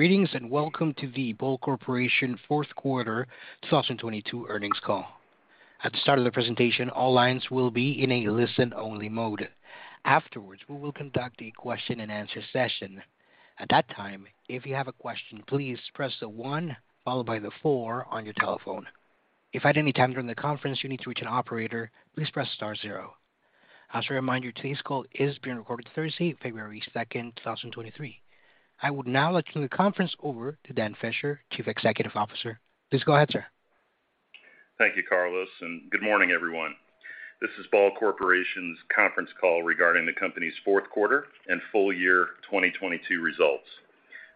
Greetings, and welcome to the Ball Corporation fourth quarter 2022 earnings call. At the start of the presentation, all lines will be in a listen-only mode. Afterwards, we will conduct a question-and-answer session. At that time, if you have a question, please press the one followed by the four on your telephone. If at any time during the conference you need to reach an operator, please press star zero. As a reminder, today's call is being recorded Thursday, February second, 2023. I would now like to turn the conference over to Daniel Fisher, Chief Executive Officer. Please go ahead, sir. Thank you, Carlos, and good morning, everyone. This is Ball Corporation's conference call regarding the company's fourth quarter and full year 2022 results.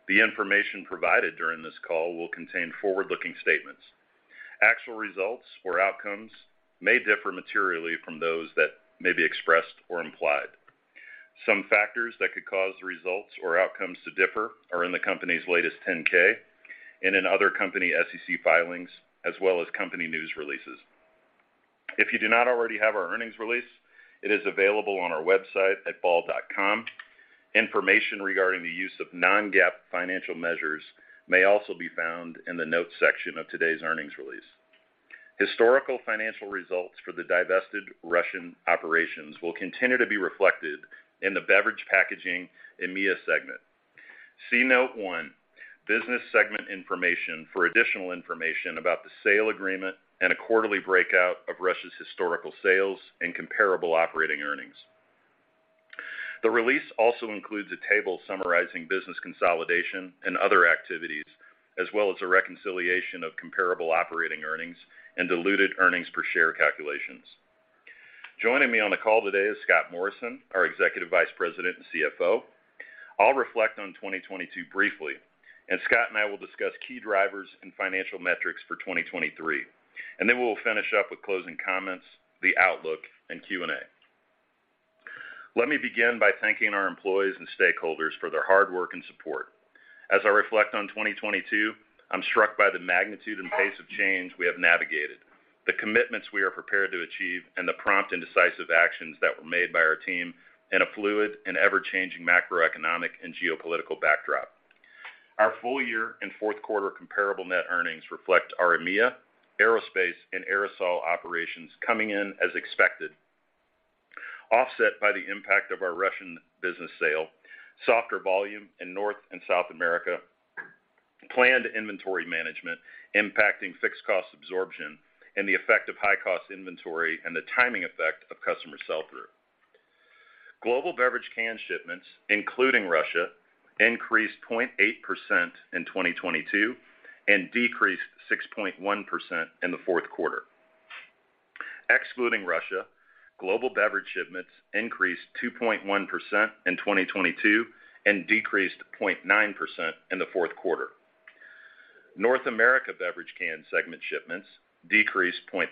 The information provided during this call will contain forward-looking statements. Actual results or outcomes may differ materially from those that may be expressed or implied. Some factors that could cause the results or outcomes to differ are in the company's latest 10-K and in other company SEC filings as well as company news releases. If you do not already have our earnings release, it is available on our website at ball.com. Information regarding the use of non-GAAP financial measures may also be found in the notes section of today's earnings release. Historical financial results for the divested Russian operations will continue to be reflected in the beverage packaging EMEA segment. See Note 1, business segment information for additional information about the sale agreement and a quarterly breakout of Russia's historical sales and comparable operating earnings. The release also includes a table summarizing business consolidation and other activities, as well as a reconciliation of comparable operating earnings and diluted earnings per share calculations. Joining me on the call today is Scott Morrison, our Executive Vice President and CFO. I'll reflect on 2022 briefly, Scott and I will discuss key drivers and financial metrics for 2023. We'll finish up with closing comments, the outlook, and Q&A. Let me begin by thanking our employees and stakeholders for their hard work and support. As I reflect on 2022, I'm struck by the magnitude and pace of change we have navigated, the commitments we are prepared to achieve, and the prompt and decisive actions that were made by our team in a fluid and ever-changing macroeconomic and geopolitical backdrop. Our full year and fourth quarter comparable net earnings reflect our EMEA, aerospace, and aerosol operations coming in as expected, offset by the impact of our Russian business sale, softer volume in North and South America, planned inventory management impacting fixed cost absorption, and the effect of high cost inventory and the timing effect of customer sell-through. Global beverage can shipments, including Russia, increased 0.8% in 2022 and decreased 6.1% in the fourth quarter. Excluding Russia, global beverage shipments increased 2.1% in 2022 and decreased 0.9% in the fourth quarter. North America beverage can segment shipments decreased 0.3%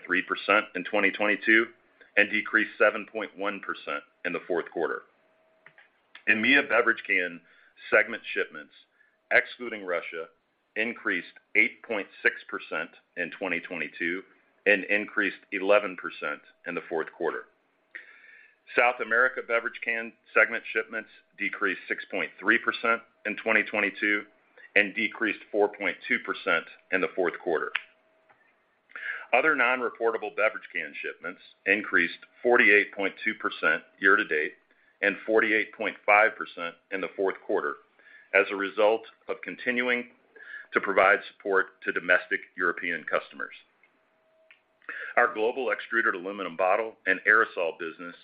in 2022 and decreased 7.1% in the fourth quarter. EMEA beverage can segment shipments, excluding Russia, increased 8.6% in 2022 and increased 11% in the fourth quarter. South America beverage can segment shipments decreased 6.3% in 2022 and decreased 4.2% in the fourth quarter. Other non-reportable beverage can shipments increased 48.2% year to date and 48.5% in the fourth quarter as a result of continuing to provide support to domestic European customers. Our global extruded aluminum bottle and aerosol business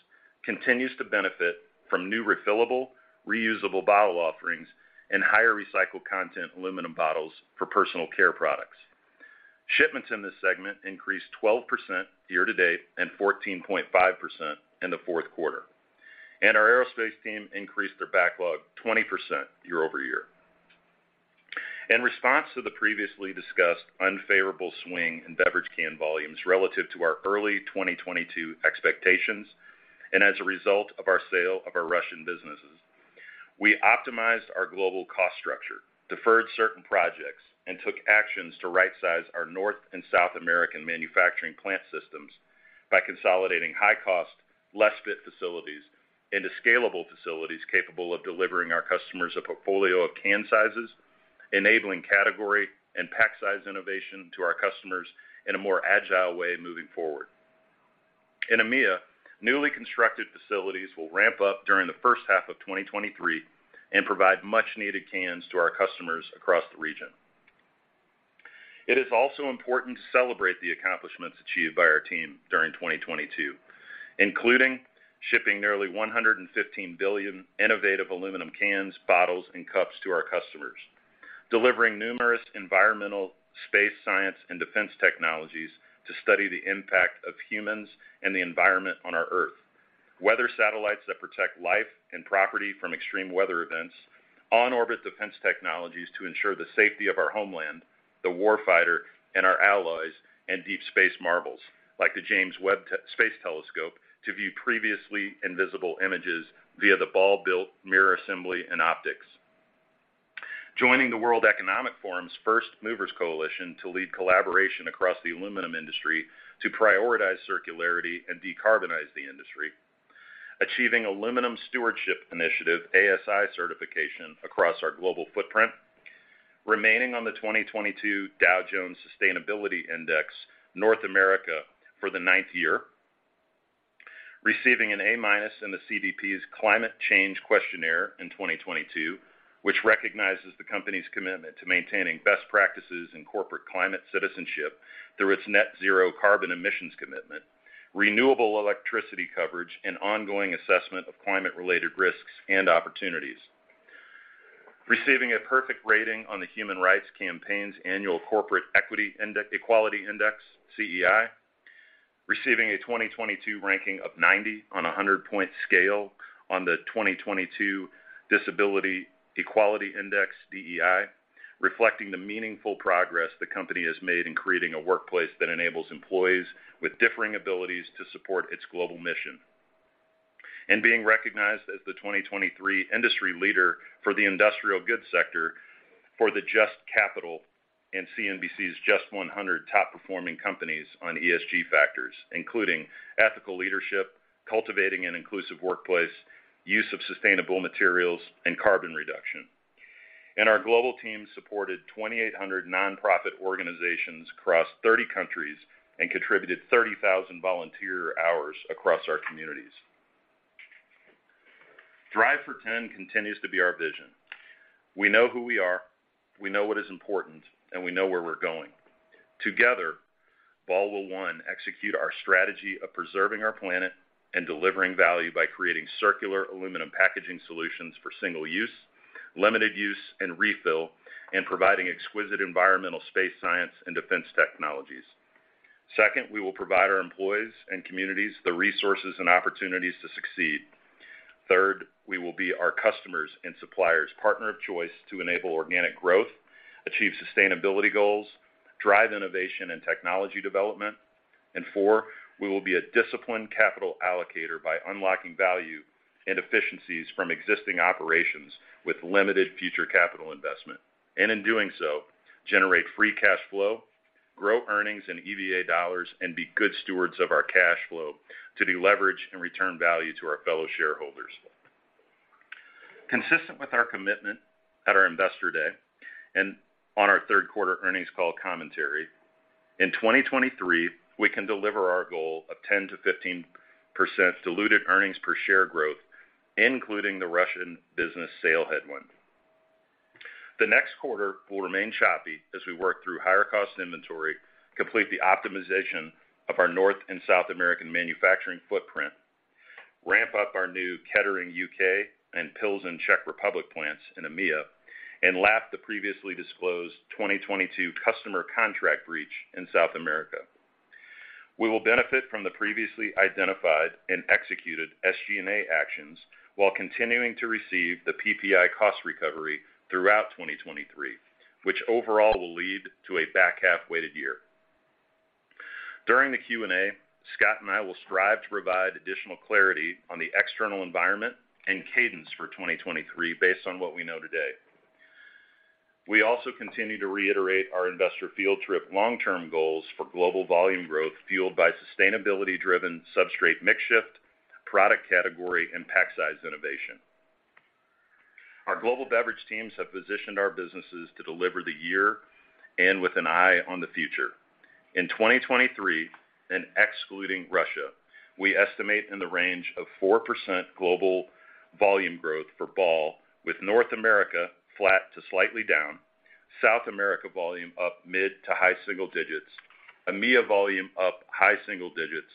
continues to benefit from new refillable, reusable bottle offerings and higher recycled content aluminum bottles for personal care products. Shipments in this segment increased 12% year to date and 14.5% in the fourth quarter. Our aerospace team increased their backlog 20% year-over-year. In response to the previously discussed unfavorable swing in beverage can volumes relative to our early 2022 expectations, and as a result of our sale of our Russian businesses, we optimized our global cost structure, deferred certain projects, and took actions to right size our North and South American manufacturing plant systems by consolidating high cost, less fit facilities into scalable facilities capable of delivering our customers a portfolio of can sizes, enabling category and pack size innovation to our customers in a more agile way moving forward. In EMEA, newly constructed facilities will ramp up during the first half of 2023 and provide much needed cans to our customers across the region. It is also important to celebrate the accomplishments achieved by our team during 2022, including shipping nearly 115 billion innovative aluminum cans, bottles, and cups to our customers. Delivering numerous environmental space science and defense technologies to study the impact of humans and the environment on our Earth. Weather satellites that protect life and property from extreme weather events. On-orbit defense technologies to ensure the safety of our homeland, the war fighter, and our allies, and deep space marvels like the James Webb Space Telescope to view previously invisible images via the Ball-built mirror assembly and optics. Joining the World Economic Forum's First Movers Coalition to lead collaboration across the aluminum industry to prioritize circularity and decarbonize the industry. Achieving Aluminium Stewardship Initiative, ASI certification across our global footprint. Remaining on the 2022 Dow Jones Sustainability Index North America for the ninth year. Receiving an A-minus in the CDP's climate change questionnaire in 2022, which recognizes the company's commitment to maintaining best practices in corporate climate citizenship through its net zero carbon emissions commitment, renewable electricity coverage, and ongoing assessment of climate-related risks and opportunities. Receiving a perfect rating on the Human Rights Campaign's annual Corporate Equality Index, CEI. Receiving a 2022 ranking of 90 on a 100-point scale on the 2022 Disability Equality Index, DEI, reflecting the meaningful progress the company has made in creating a workplace that enables employees with differing abilities to support its global mission. Being recognized as the 2023 industry leader for the industrial goods sector for the JUST Capital and CNBC's JUST 100 top performing companies on ESG factors, including ethical leadership, cultivating an inclusive workplace, use of sustainable materials, and carbon reduction. Our global team supported 2,800 nonprofit organizations across 30 countries and contributed 30,000 volunteer hours across our communities. Drive for 10 continues to be our vision. We know who we are, we know what is important, and we know where we're going. Together, Ball will, 1, execute our strategy of preserving our planet and delivering value by creating circular aluminum packaging solutions for single use, limited use, and refill, and providing exquisite environmental space science and defense technologies. Second, we will provide our employees and communities the resources and opportunities to succeed. Third, we will be our customers' and suppliers' partner of choice to enable organic growth, achieve sustainability goals, drive innovation and technology development. Four, we will be a disciplined capital allocator by unlocking value and efficiencies from existing operations with limited future capital investment, and in doing so, generate free cash flow, grow earnings and EVA dollars, and be good stewards of our cash flow to deleverage and return value to our fellow shareholders. Consistent with our commitment at our Investor Day and on our third quarter earnings call commentary, in 2023, we can deliver our goal of 10%-15% diluted earnings per share growth, including the Russian business sale headwind. The next quarter will remain choppy as we work through higher cost inventory, complete the optimization of our North and South American manufacturing footprint, ramp up our new Kettering, U.K., and Pilsen, Czech Republic plants in EMEA, and lap the previously disclosed 2022 customer contract breach in South America. We will benefit from the previously identified and executed SG&A actions while continuing to receive the PPI cost recovery throughout 2023, which overall will lead to a back-half-weighted year. During the Q&A, Scott and I will strive to provide additional clarity on the external environment and cadence for 2023 based on what we know today. We also continue to reiterate our investor field trip long-term goals for global volume growth fueled by sustainability-driven substrate mix shift, product category, and pack size innovation. Our global beverage teams have positioned our businesses to deliver the year and with an eye on the future. In 2023, and excluding Russia, we estimate in the range of 4% global volume growth for Ball with North America flat to slightly down, South America volume up mid to high single digits, EMEA volume up high single digits,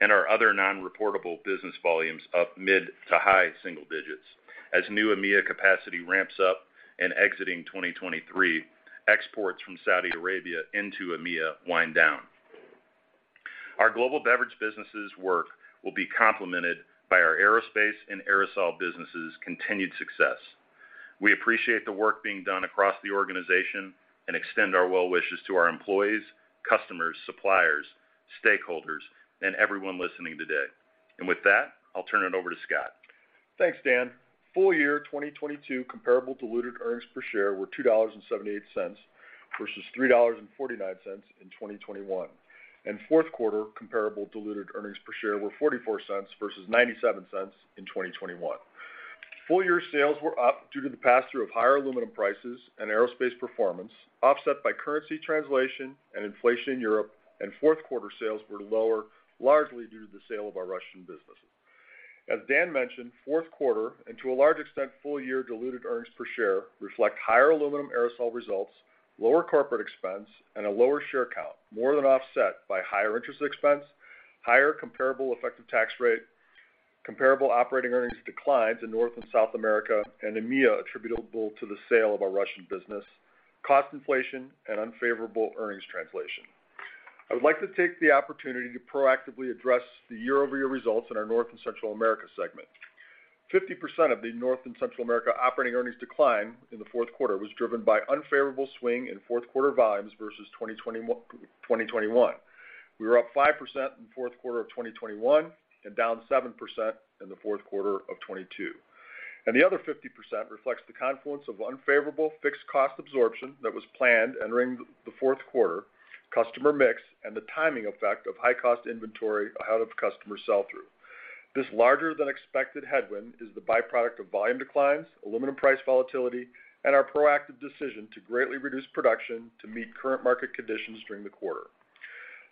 and our other non-reportable business volumes up mid to high single digits as new EMEA capacity ramps up and exiting 2023, exports from Saudi Arabia into EMEA wind down. Our global beverage businesses' work will be complemented by our aerospace and aerosol businesses' continued success. We appreciate the work being done across the organization and extend our well wishes to our employees, customers, suppliers, stakeholders, and everyone listening today. With that, I'll turn it over to Scott. Thanks, Dan. Full year 2022 comparable diluted earnings per share were $2.78 versus $3.49 in 2021. Fourth quarter comparable diluted earnings per share were $0.44 versus $0.97 in 2021. Full year sales were up due to the pass-through of higher aluminum prices and aerospace performance, offset by currency translation and inflation in Europe, and fourth quarter sales were lower, largely due to the sale of our Russian business. As Dan mentioned, fourth quarter, and to a large extent, full-year diluted earnings per share reflect higher aluminum aerosol results, lower corporate expense, and a lower share count, more than offset by higher interest expense, higher comparable effective tax rate, comparable operating earnings declines in North and South America and EMEA attributable to the sale of our Russian business, cost inflation, and unfavorable earnings translation. I would like to take the opportunity to proactively address the year-over-year results in our North and Central America segment. 50% of the North and Central America operating earnings decline in the fourth quarter was driven by unfavorable swing in fourth quarter volumes versus 2021. We were up 5% in the fourth quarter of 2021 and down 7% in the fourth quarter of 2022. The other 50% reflects the confluence of unfavorable fixed cost absorption that was planned entering the fourth quarter, customer mix, and the timing effect of high-cost inventory out of customer sell-through. This larger than expected headwind is the byproduct of volume declines, aluminum price volatility, and our proactive decision to greatly reduce production to meet current market conditions during the quarter.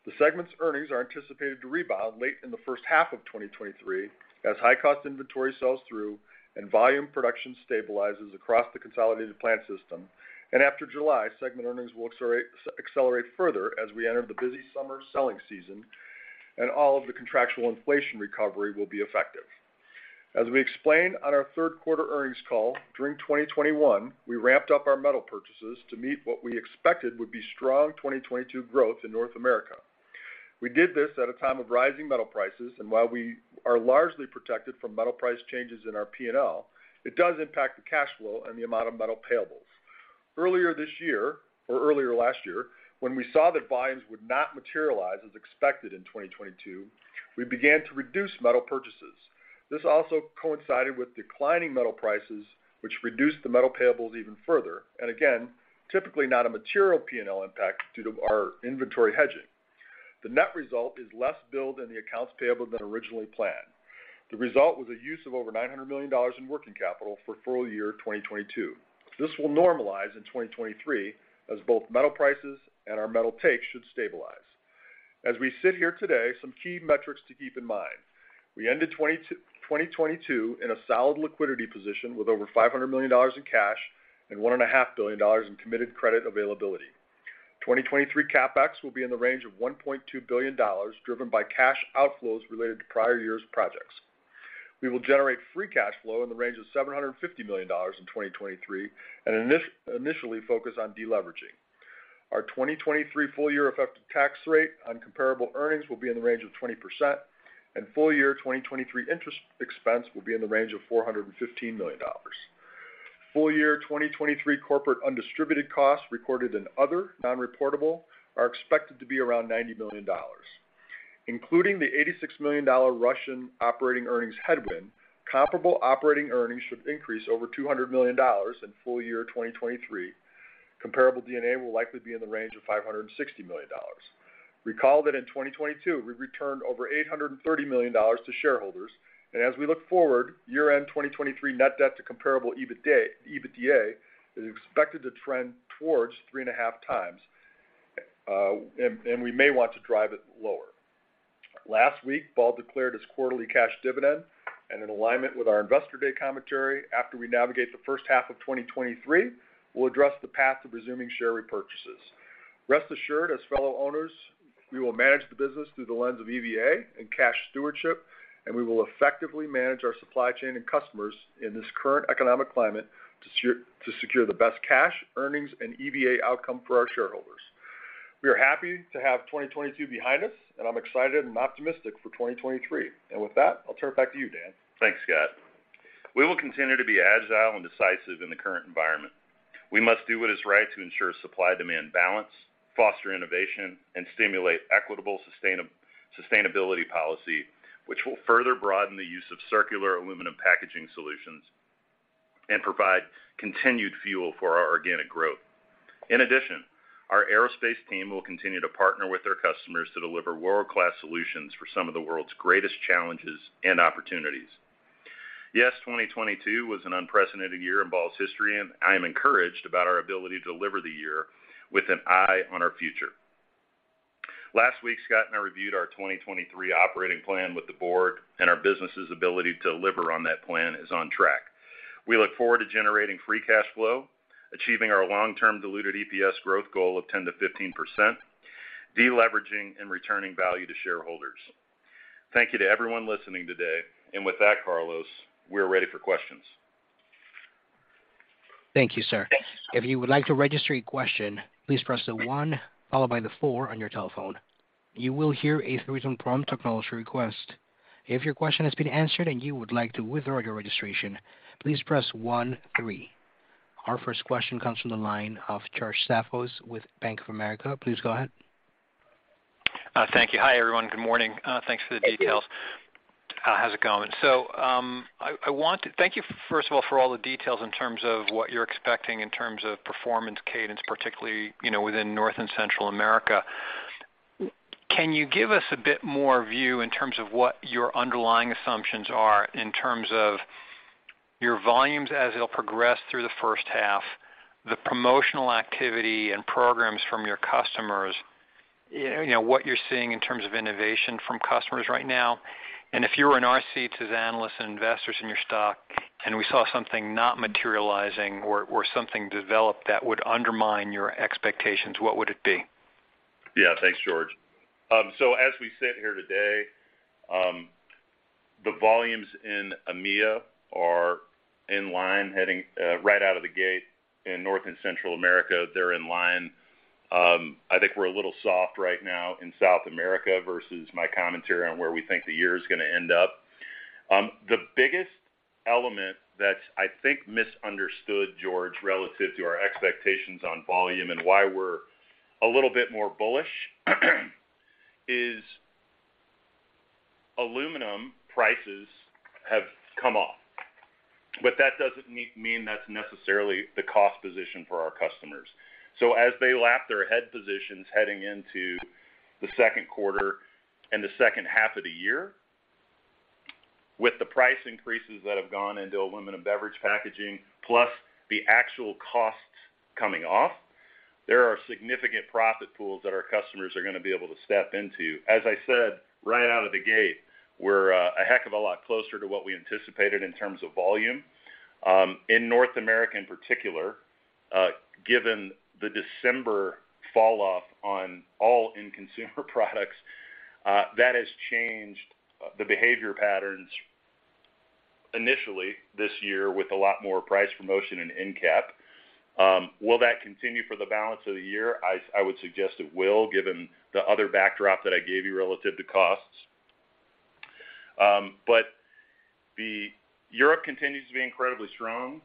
The segment's earnings are anticipated to rebound late in the first half of 2023 as high-cost inventory sells through and volume production stabilizes across the consolidated plant system. After July, segment earnings will accelerate further as we enter the busy summer selling season and all of the contractual inflation recovery will be effective. As we explained on our third quarter earnings call, during 2021, we ramped up our metal purchases to meet what we expected would be strong 2022 growth in North America. We did this at a time of rising metal prices, and while we are largely protected from metal price changes in our P&L, it does impact the cash flow and the amount of metal payables. Earlier last year, when we saw that volumes would not materialize as expected in 2022, we began to reduce metal purchases. This also coincided with declining metal prices, which reduced the metal payables even further. Again, typically not a material P&L impact due to our inventory hedging. The net result is less build in the accounts payable than originally planned. The result was a use of over $900 million in working capital for full year 2022. This will normalize in 2023 as both metal prices and our metal take should stabilize. As we sit here today, some key metrics to keep in mind. We ended 2022 in a solid liquidity position with over $500 million in cash and $1.5 billion in committed credit availability. 2023 CapEx will be in the range of $1.2 billion, driven by cash outflows related to prior year's projects. We will generate free cash flow in the range of $750 million in 2023 and initially focus on deleveraging. Our 2023 full year effective tax rate on comparable earnings will be in the range of 20%, and full year 2023 interest expense will be in the range of $415 million. Full year 2023 corporate undistributed costs recorded in other non-reportable are expected to be around $90 million. Including the $86 million Russian operating earnings headwind, comparable operating earnings should increase over $200 million in full year 2023. Comparable D&A will likely be in the range of $560 million. Recall that in 2022, we returned over $830 million to shareholders. As we look forward, year-end 2023 net debt to comparable EBITDA is expected to trend towards 3.5 times, and we may want to drive it lower. Last week, Ball declared its quarterly cash dividend. In alignment with our Investor Day commentary, after we navigate the first half of 2023, we'll address the path to resuming share repurchases. Rest assured, as fellow owners, we will manage the business through the lens of EVA and cash stewardship, and we will effectively manage our supply chain and customers in this current economic climate to secure the best cash, earnings, and EVA outcome for our shareholders. We are happy to have 2022 behind us, I'm excited and optimistic for 2023. With that, I'll turn it back to you, Dan. Thanks, Scott. We will continue to be agile and decisive in the current environment. We must do what is right to ensure supply-demand balance, foster innovation, and stimulate equitable sustainability policy, which will further broaden the use of circular aluminum packaging solutions and provide continued fuel for our organic growth. Our aerospace team will continue to partner with their customers to deliver world-class solutions for some of the world's greatest challenges and opportunities. Yes, 2022 was an unprecedented year in Ball's history, and I am encouraged about our ability to deliver the year with an eye on our future. Last week, Scott and I reviewed our 2023 operating plan with the board, and our business's ability to deliver on that plan is on track. We look forward to generating free cash flow, achieving our long-term diluted EPS growth goal of 10%-15%, deleveraging, and returning value to shareholders. Thank you to everyone listening today. With that, Carlos, we're ready for questions. Thank you, sir. Thanks. If you would like to register a question, please press the 1 followed by the 4 on your telephone. You will hear a 3-tone prompt to acknowledge the request. If your question has been answered and you would like to withdraw your registration, please press 1, 3. Our first question comes from the line of George Staphos with Bank of America. Please go ahead. Thank you. Hi, everyone. Good morning. Thanks for the details. Thank you. How's it going? Thank you, first of all, for all the details in terms of what you're expecting in terms of performance cadence, particularly, you know, within North and Central America. Can you give us a bit more view in terms of what your underlying assumptions are in terms of your volumes as it'll progress through the first half, the promotional activity and programs from your customers, you know, what you're seeing in terms of innovation from customers right now? If you were in our seats as analysts and investors in your stock and we saw something not materializing or something develop that would undermine your expectations, what would it be? Yeah. Thanks, George. As we sit here today, the volumes in EMEA are in line, heading right out of the gate. In North and Central America, they're in line. I think we're a little soft right now in South America versus my commentary on where we think the year is gonna end up. The biggest element that's, I think, misunderstood, George, relative to our expectations on volume and why we're a little bit more bullish is. Aluminum prices have come off, That doesn't mean that's necessarily the cost position for our customers. As they lap their head positions heading into the second quarter and the second half of the year, with the price increases that have gone into aluminum beverage packaging, plus the actual costs coming off, there are significant profit pools that our customers are gonna be able to step into. As I said, right out of the gate, we're a heck of a lot closer to what we anticipated in terms of volume. In North America, in particular, given the December falloff on all end consumer products, that has changed the behavior patterns initially this year with a lot more price promotion in end cap. Will that continue for the balance of the year? I would suggest it will, given the other backdrop that I gave you relative to costs. Europe continues to be incredibly strong.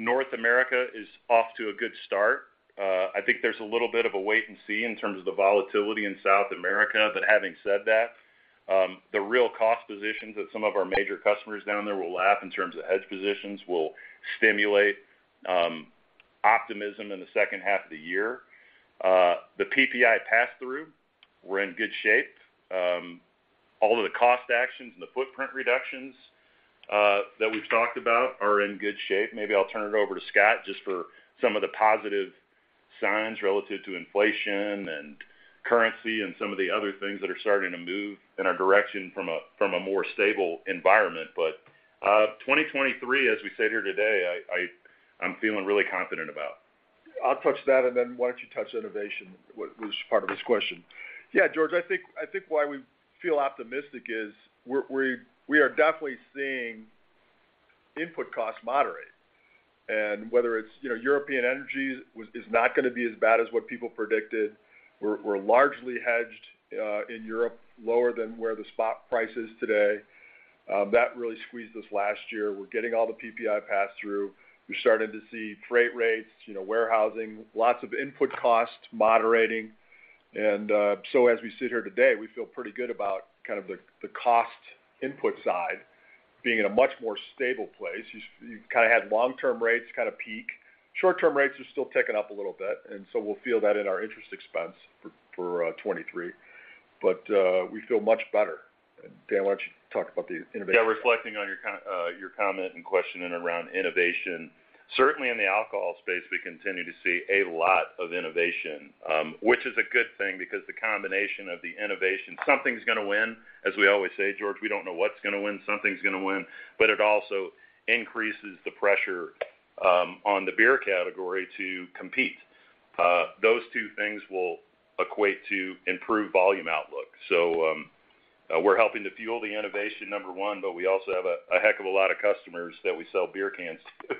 North America is off to a good start. I think there's a little bit of a wait and see in terms of the volatility in South America. Having said that, the real cost positions that some of our major customers down there will lap in terms of hedge positions will stimulate optimism in the second half of the year. The PPI pass-through, we're in good shape. All of the cost actions and the footprint reductions that we've talked about are in good shape. Maybe I'll turn it over to Scott just for some of the positive signs relative to inflation and currency and some of the other things that are starting to move in our direction from a more stable environment. 2023, as we sit here today, I'm feeling really confident about. I'll touch that, then why don't you touch innovation, which was part of his question. Yeah, George, I think why we feel optimistic is we are definitely seeing input costs moderate. Whether it's, you know, European energy is not gonna be as bad as what people predicted. We're largely hedged in Europe, lower than where the spot price is today. That really squeezed us last year. We're getting all the PPI pass-through. We're starting to see freight rates, you know, warehousing, lots of input costs moderating. As we sit here today, we feel pretty good about kind of the cost input side being in a much more stable place. You kinda had long-term rates kinda peak. Short-term rates are still ticking up a little bit, we'll feel that in our interest expense for 2023. We feel much better. Dan, why don't you talk about the innovation? Yeah, reflecting on your comment and question and around innovation. Certainly, in the alcohol space, we continue to see a lot of innovation, which is a good thing because the combination of the innovation, something's gonna win. As we always say, George, we don't know what's gonna win. Something's gonna win. It also increases the pressure on the beer category to compete. Those two things will equate to improved volume outlook. We're helping to fuel the innovation, number one, but we also have a heck of a lot of customers that we sell beer cans to,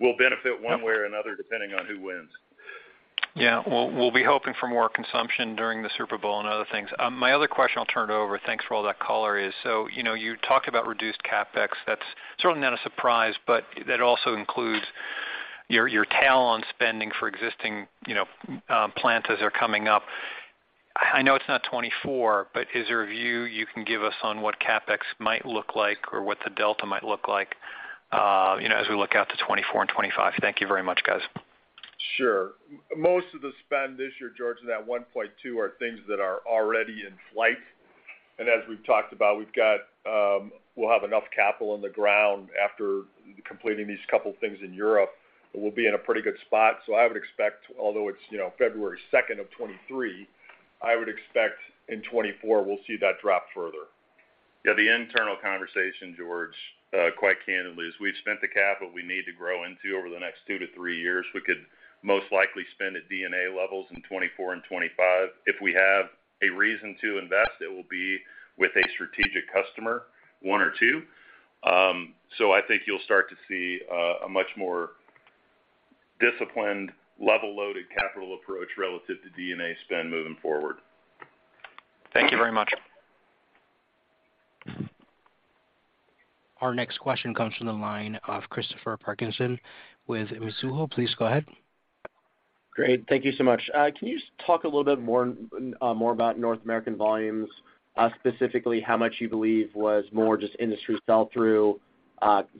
will benefit one way or another, depending on who wins. Yeah. We'll be hoping for more consumption during the Super Bowl and other things. My other question, I'll turn it over, thanks for all that color, is, you know, you talked about reduced CapEx. That's certainly not a surprise, but that also includes your talent spending for existing, you know, plants as they're coming up. I know it's not 2024, is there a view you can give us on what CapEx might look like or what the delta might look like, you know, as we look out to 2024 and 2025? Thank you very much, guys. Sure. Most of the spend this year, George, in that $1.2 are things that are already in flight. As we've talked about, we've got, we'll have enough capital on the ground after completing these couple things in Europe. We'll be in a pretty good spot. I would expect, although it's, you know, February 2nd of 2023, I would expect in 2024, we'll see that drop further. The internal conversation, George, quite candidly, is we've spent the capital we need to grow into over the next two to three years. We could most likely spend at D&A levels in 2024 and 2025. If we have a reason to invest, it will be with a strategic customer, one or two. I think you'll start to see a much more disciplined level loaded capital approach relative to D&A spend moving forward. Thank you very much. Our next question comes from the line of Christopher Parkinson with Mizuho. Please go ahead. Great. Thank you so much. Can you just talk a little bit more, more about North American volumes, specifically how much you believe was more just industry sell-through,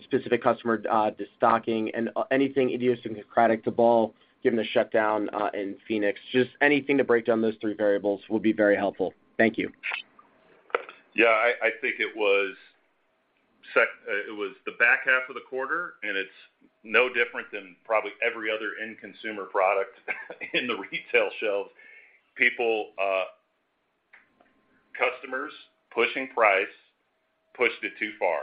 specific customer, destocking, and anything idiosyncratic to Ball given the shutdown in Phoenix? Just anything to break down those three variables will be very helpful. Thank you. I think it was the back half of the quarter. It's no different than probably every other end consumer product in the retail shelves. People, customers pushing price pushed it too far.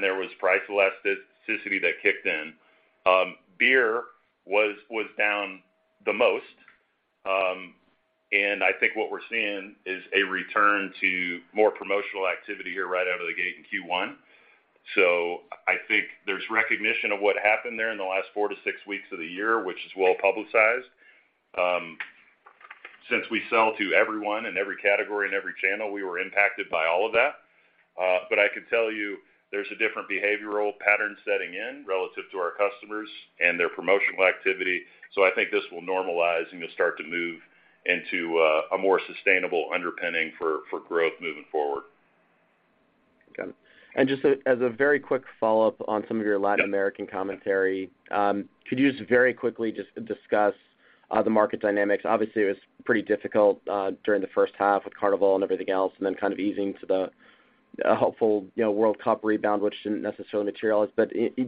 There was price elasticity that kicked in. Beer was down the most. I think what we're seeing is a return to more promotional activity here right out of the gate in Q1. I think there's recognition of what happened there in the last four to six weeks of the year, which is well-publicized. Since we sell to everyone in every category and every channel, we were impacted by all of that. I can tell you there's a different behavioral pattern setting in relative to our customers and their promotional activity. I think this will normalize, and you'll start to move into a more sustainable underpinning for growth moving forward. Got it. Just as a very quick follow-up on some of your Latin American commentary, could you just very quickly just discuss the market dynamics? Obviously, it was pretty difficult during the first half with Carnival and everything else, and then kind of easing to the hopeful, you know, World Cup rebound, which didn't necessarily materialize.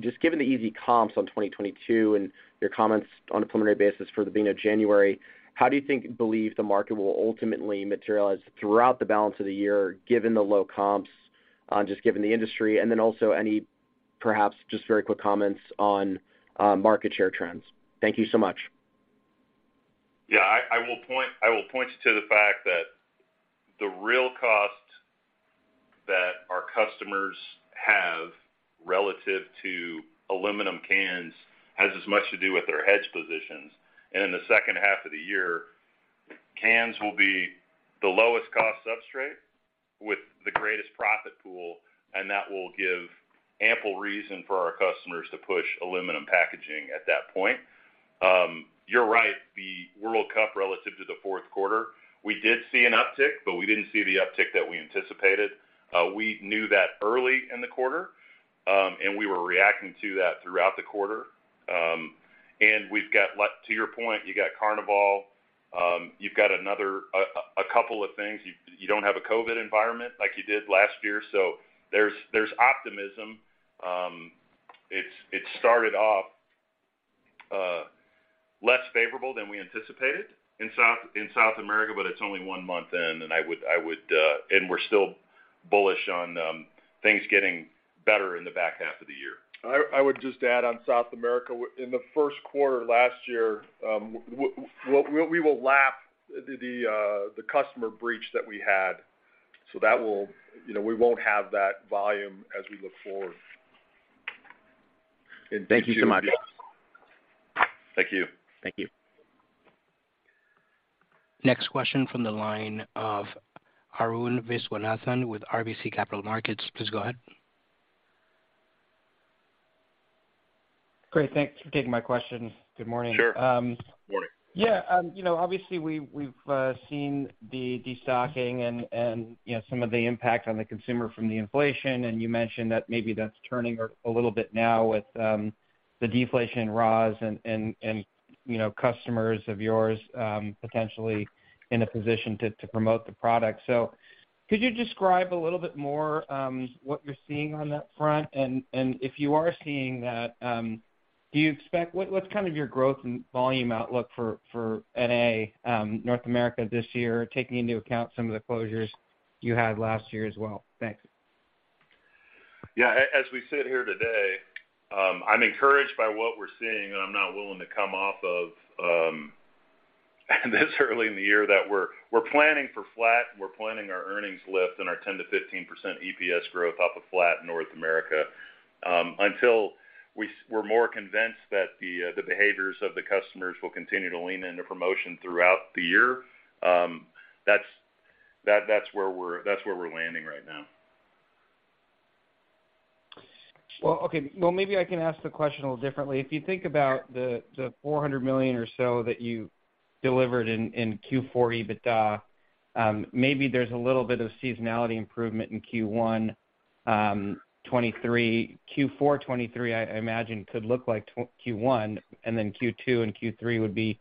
Just given the easy comps on 2022 and your comments on a preliminary basis for the beginning of January, how do you believe the market will ultimately materialize throughout the balance of the year, given the low comps, just given the industry? Also any, perhaps just very quick comments on market share trends. Thank you so much. Yeah. I will point you to the fact that the real cost that our customers have relative to aluminum cans has as much to do with their hedge positions. In the second half of the year, cans will be the lowest cost substrate with the greatest profit pool, and that will give ample reason for our customers to push aluminum packaging at that point. You're right. The World Cup, relative to the fourth quarter, we did see an uptick, but we didn't see the uptick that we anticipated. We knew that early in the quarter, we were reacting to that throughout the quarter. We've got like, to your point, you got Carnival, a couple of things. You don't have a COVID environment like you did last year, so there's optimism. It started off less favorable than we anticipated in South America. It's only 1 month in. We're still bullish on things getting better in the back half of the year. I would just add on South America. In the first quarter last year, we will lap the customer breach that we had. That will. You know, we won't have that volume as we look forward. Thank you so much. Thank you. Thank you. Next question from the line of Arun Viswanathan with RBC Capital Markets. Please go ahead. Great. Thanks for taking my question. Good morning. Sure. Good morning. Yeah. you know, obviously we've seen the destocking and, you know, some of the impact on the consumer from the inflation. You mentioned that maybe that's turning a little bit now with the deflation in raws and, and, you know, customers of yours potentially in a position to promote the product. Could you describe a little bit more what you're seeing on that front? If you are seeing that, do you expect... What, what's kind of your growth and volume outlook for NA, North America this year, taking into account some of the closures you had last year as well? Thanks. Yeah. As we sit here today, I'm encouraged by what we're seeing, and I'm not willing to come off of, this early in the year that we're planning for flat and we're planning our earnings lift and our 10%-15% EPS growth off a flat North America, until we're more convinced that the behaviors of the customers will continue to lean into promotion throughout the year. That's where we're landing right now. Well, okay. Well, maybe I can ask the question a little differently. If you think about the $400 million or so that you delivered in Q4 EBITDA, maybe there's a little bit of seasonality improvement in Q1 2023. Q4 2023, I imagine could look like Q1, and then Q2 and Q3 would be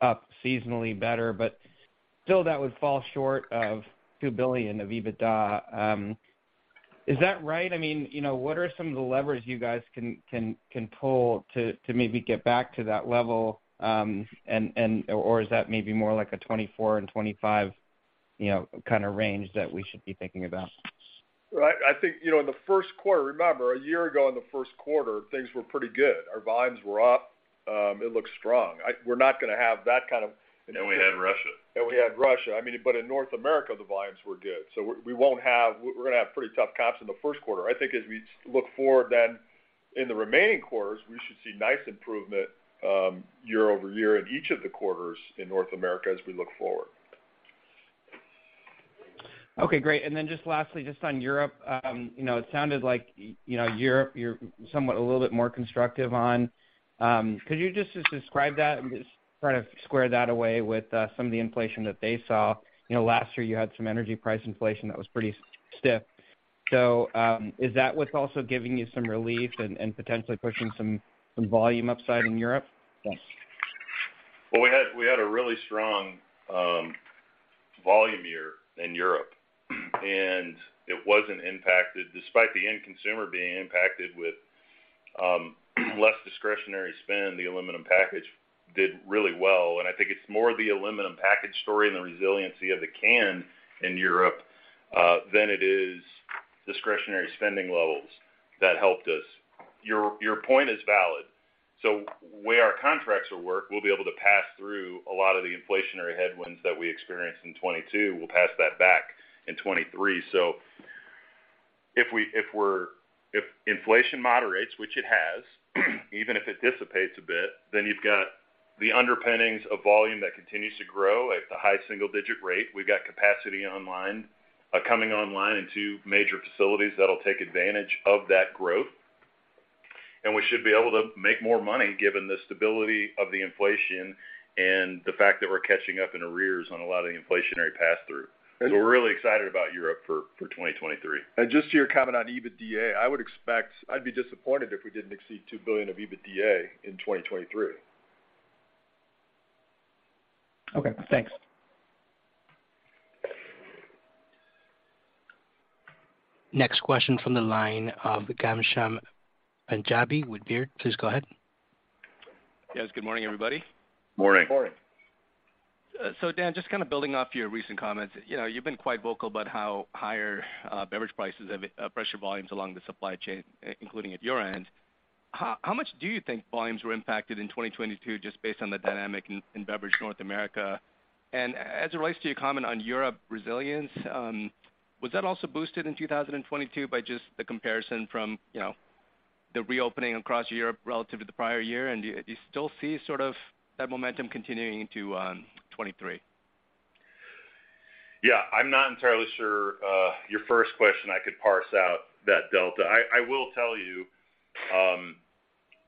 up seasonally better. Still that would fall short of $2 billion of EBITDA. Is that right? I mean, you know, what are some of the levers you guys can pull to maybe get back to that level? Or is that maybe more like a 2024 and 2025, you know, kind of range that we should be thinking about? Right. I think, you know, in the first quarter... Remember, a year ago in the first quarter, things were pretty good. Our volumes were up. It looked strong. We're not gonna have that kind of- We had Russia. We had Russia. I mean, in North America, the volumes were good. We're gonna have pretty tough comps in the first quarter. I think as we look forward, in the remaining quarters, we should see nice improvement year-over-year in each of the quarters in North America as we look forward. Okay, great. Just lastly, just on Europe, you know, it sounded like, you know, Europe you're somewhat a little bit more constructive on. Could you just describe that and just try to square that away with some of the inflation that they saw? You know, last year you had some energy price inflation that was pretty stiff. Is that what's also giving you some relief and potentially pushing some volume upside in Europe? Yes. We had a really strong volume year in Europe. It wasn't impacted. Despite the end consumer being impacted with less discretionary spend, the aluminum package did really well. I think it's more the aluminum package story and the resiliency of the can in Europe than it is discretionary spending levels that helped us. Your point is valid. The way our contracts will work, we'll be able to pass through a lot of the inflationary headwinds that we experienced in 2022. We'll pass that back in 2023. If inflation moderates, which it has, even if it dissipates a bit, then you've got the underpinnings of volume that continues to grow at a high single-digit rate. We've got capacity coming online in two major facilities that'll take advantage of that growth. We should be able to make more money given the stability of the inflation and the fact that we're catching up in arrears on a lot of the inflationary pass-through. We're really excited about Europe for 2023. Just to your comment on EBITDA, I'd be disappointed if we didn't exceed $2 billion of EBITDA in 2023. Okay, thanks. Next question from the line of Ghansham Panjabi with Baird. Please go ahead. Yes, good morning, everybody. Morning. Morning. Dan, just kind of building off your recent comments, you know, you've been quite vocal about how higher, beverage prices have, pressured volumes along the supply chain, including at your end. How much do you think volumes were impacted in 2022 just based on the dynamic in beverage North America? As it relates to your comment on Europe resilience, was that also boosted in 2022 by just the comparison from, you know, the reopening across Europe relative to the prior year? Do you still see sort of that momentum continuing into 23? Yeah. I'm not entirely sure, your first question, I could parse out that delta. I will tell you,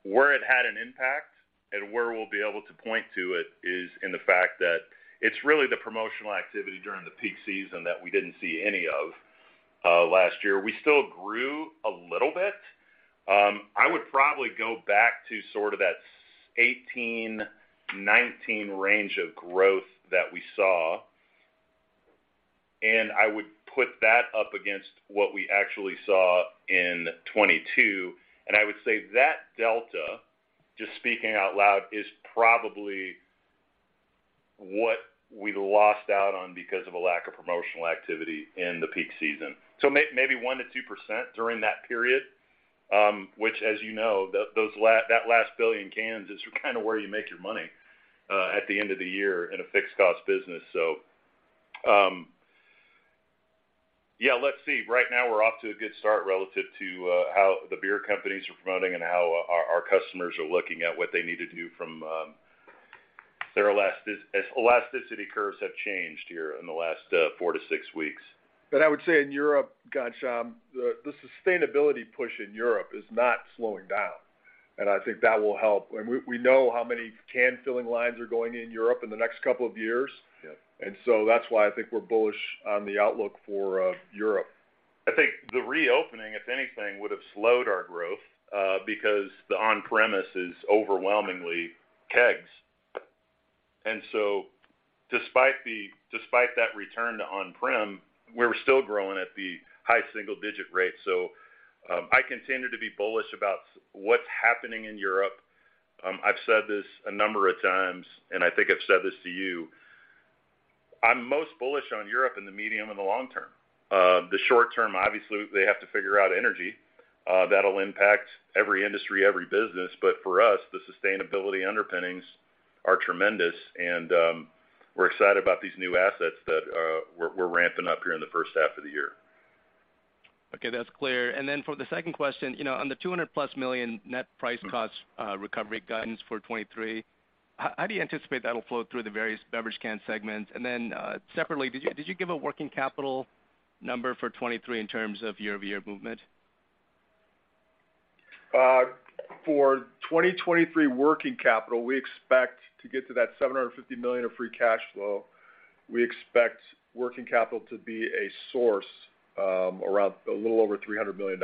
where it had an impact and where we'll be able to point to it is in the fact that it's really the promotional activity during the peak season that we didn't see any of last year. We still grew a little bit. I would probably go back to sort of that 18, 19 range of growth that we saw, and I would put that up against what we actually saw in 22, and I would say that delta, just speaking out loud, is probably what we lost out on because of a lack of promotional activity in the peak season. Maybe 1%-2% during that period, which as you know, that last billion cans is kind of where you make your money at the end of the year in a fixed cost business. Let's see. Right now we're off to a good start relative to how the beer companies are promoting and how our customers are looking at what they need to do from their elasticity curves have changed here in the last 4-6 weeks. I would say in Europe, Ghansham, the sustainability push in Europe is not slowing down, and I think that will help. We know how many can filling lines are going in Europe in the next couple of years. Yeah. That's why I think we're bullish on the outlook for Europe. I think the reopening, if anything, would have slowed our growth, because the on-premise is overwhelmingly kegs. Despite that return to on-prem, we're still growing at the high single-digit rate. I continue to be bullish about what's happening in Europe. I've said this a number of times, and I think I've said this to you. I'm most bullish on Europe in the medium and the long term. The short term, obviously, they have to figure out energy, that'll impact every industry, every business. For us, the sustainability underpinnings are tremendous and we're excited about these new assets that we're ramping up here in the first half of the year. Okay, that's clear. For the second question, you know, on the $200 million+ net price cost recovery guidance for 2023, how do you anticipate that'll flow through the various beverage can segments? Separately, did you give a working capital number for 2023 in terms of year-over-year movement? For 2023 working capital, we expect to get to that $750 million of free cash flow. We expect working capital to be a source, around a little over $300 million.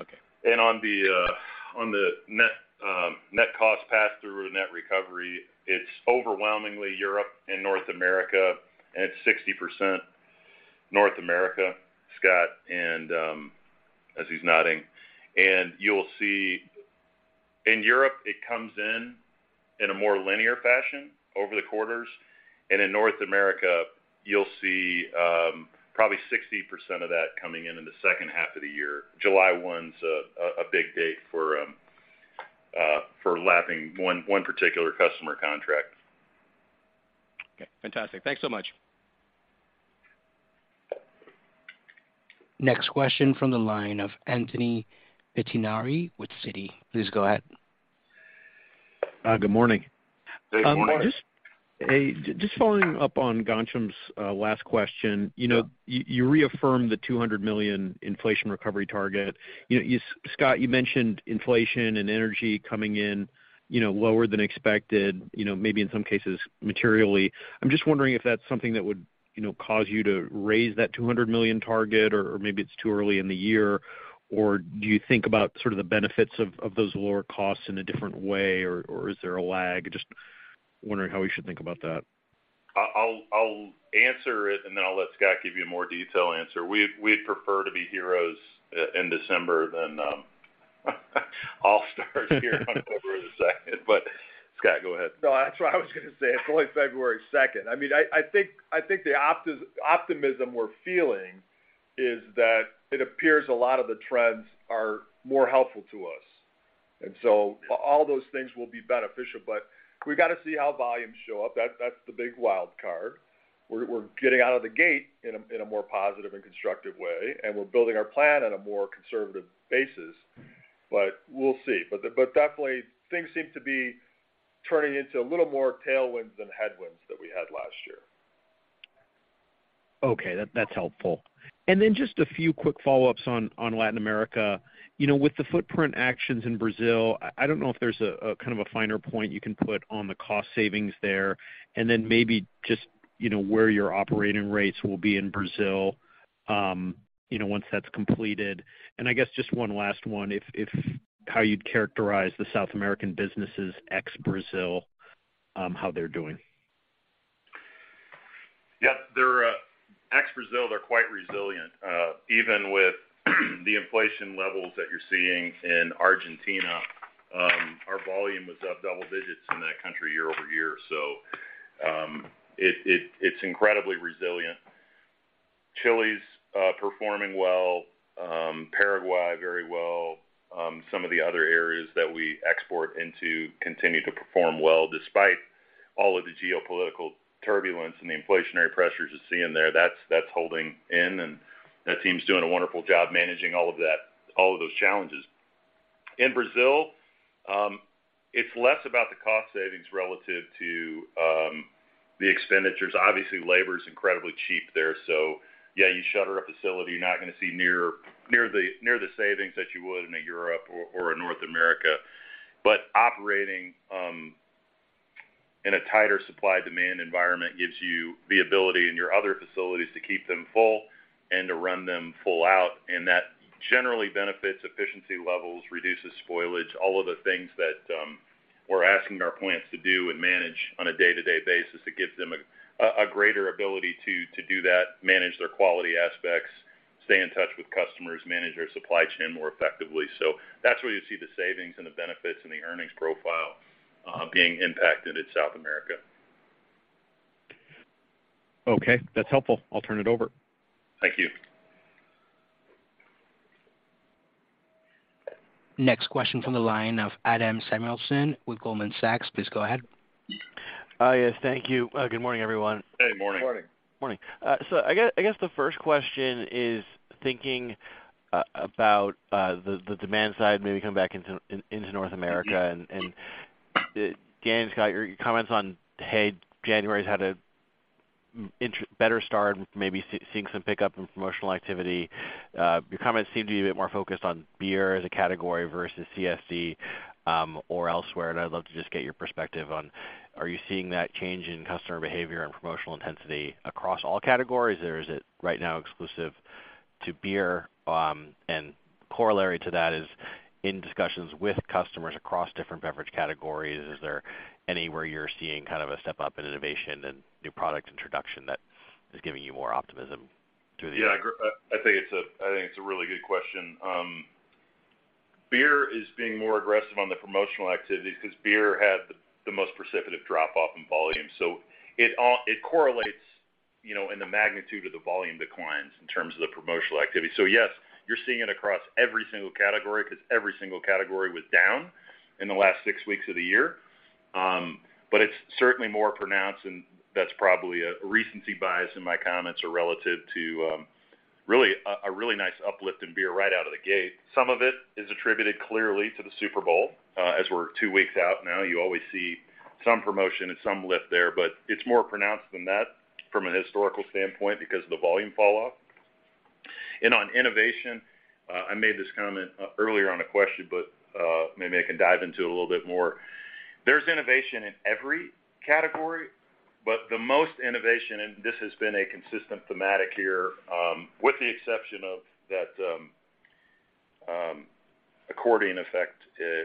Okay. On the net cost pass-through, net recovery, it's overwhelmingly Europe and North America. It's 60% North America, Scott, and as he's nodding. You'll see in Europe, it comes in in a more linear fashion over the quarters. In North America, you'll see, probably 60% of that coming in in the second half of the year. July 1's a big date for lapping one particular customer contract. Okay, fantastic. Thanks so much. Next question from the line of Anthony Pettinari with Citi. Please go ahead. Good morning. Good morning. Good morning. just following up on Ghansham's, last question. You know, you reaffirmed the $200 million inflation recovery target. You know, Scott, you mentioned inflation and energy coming in, you know, lower than expected, you know, maybe in some cases materially. I'm just wondering if that's something that would, you know, cause you to raise that $200 million target or maybe it's too early in the year, or do you think about sort of the benefits of those lower costs in a different way or is there a lag? Just wondering how we should think about that. I'll answer it and then I'll let Scott give you a more detailed answer. We'd prefer to be heroes in December than all-stars here on October the second. Scott, go ahead. No, that's what I was gonna say. It's only February second. I mean, I think the optimism we're feeling is that it appears a lot of the trends are more helpful to us. All those things will be beneficial. We've got to see how volumes show up. That's the big wild card. We're getting out of the gate in a more positive and constructive way. We're building our plan on a more conservative basis. We'll see. Definitely things seem to be turning into a little more tailwinds than headwinds that we had last year. Okay. That's helpful. Then just a few quick follow-ups on Latin America. You know, with the footprint actions in Brazil, I don't know if there's a kind of a finer point you can put on the cost savings there, then maybe just, you know, where your operating rates will be in Brazil, you know, once that's completed. I guess just one last one, if how you'd characterize the South American businesses ex-Brazil, how they're doing? Yeah. They're, ex-Brazil, they're quite resilient. Even with the inflation levels that you're seeing in Argentina, our volume was up double digits in that country year-over-year. It's incredibly resilient. Chile's performing well, Paraguay very well. Some of the other areas that we export into continue to perform well despite all of the geopolitical turbulence and the inflationary pressures you're seeing there. That's holding in, and that team's doing a wonderful job managing all of those challenges. In Brazil, it's less about the cost savings relative to the expenditures. Obviously, labor is incredibly cheap there. Yeah, you shutter a facility, you're not gonna see near the savings that you would in a Europe or a North America. Operating in a tighter supply-demand environment gives you the ability in your other facilities to keep them full and to run them full out, and that generally benefits efficiency levels, reduces spoilage, all of the things that we're asking our plants to do and manage on a day-to-day basis. It gives them a greater ability to do that, manage their quality aspects, stay in touch with customers, manage their supply chain more effectively. That's where you see the savings and the benefits and the earnings profile being impacted at South America. Okay. That's helpful. I'll turn it over. Thank you. Next question from the line of Adam Samuelson with Goldman Sachs. Please go ahead. Hi. Yes, thank you. Good morning, everyone. Hey, morning. Morning. Morning. I guess the first question is thinking about the demand side, maybe coming back into North America. Dan and Scott, your comments on, hey, January's had a better start and maybe seeing some pickup in promotional activity. Your comments seem to be a bit more focused on beer as a category versus CSD or elsewhere, and I'd love to just get your perspective on, are you seeing that change in customer behavior and promotional intensity across all categories, or is it right now exclusive to beer? Corollary to that is in discussions with customers across different beverage categories, is there anywhere you're seeing kind of a step up in innovation and new product introduction that is giving you more optimism through the year? Yeah. I think it's a really good question. Beer is being more aggressive on the promotional activities 'cause beer had the most precipitative drop off in volume. It correlates, you know, in the magnitude of the volume declines in terms of the promotional activity. Yes, you're seeing it across every single category 'cause every single category was down in the last 6 weeks of the year. But it's certainly more pronounced, and that's probably a recency bias in my comments are relative to really a really nice uplift in beer right out of the gate. Some of it is attributed clearly to the Super Bowl. As we're 2 weeks out now, you always see some promotion and some lift there, but it's more pronounced than that from a historical standpoint because of the volume fall off. On innovation, I made this comment earlier on a question, but maybe I can dive into it a little bit more. There's innovation in every category, but the most innovation, and this has been a consistent thematic here, with the exception of that accordion effect,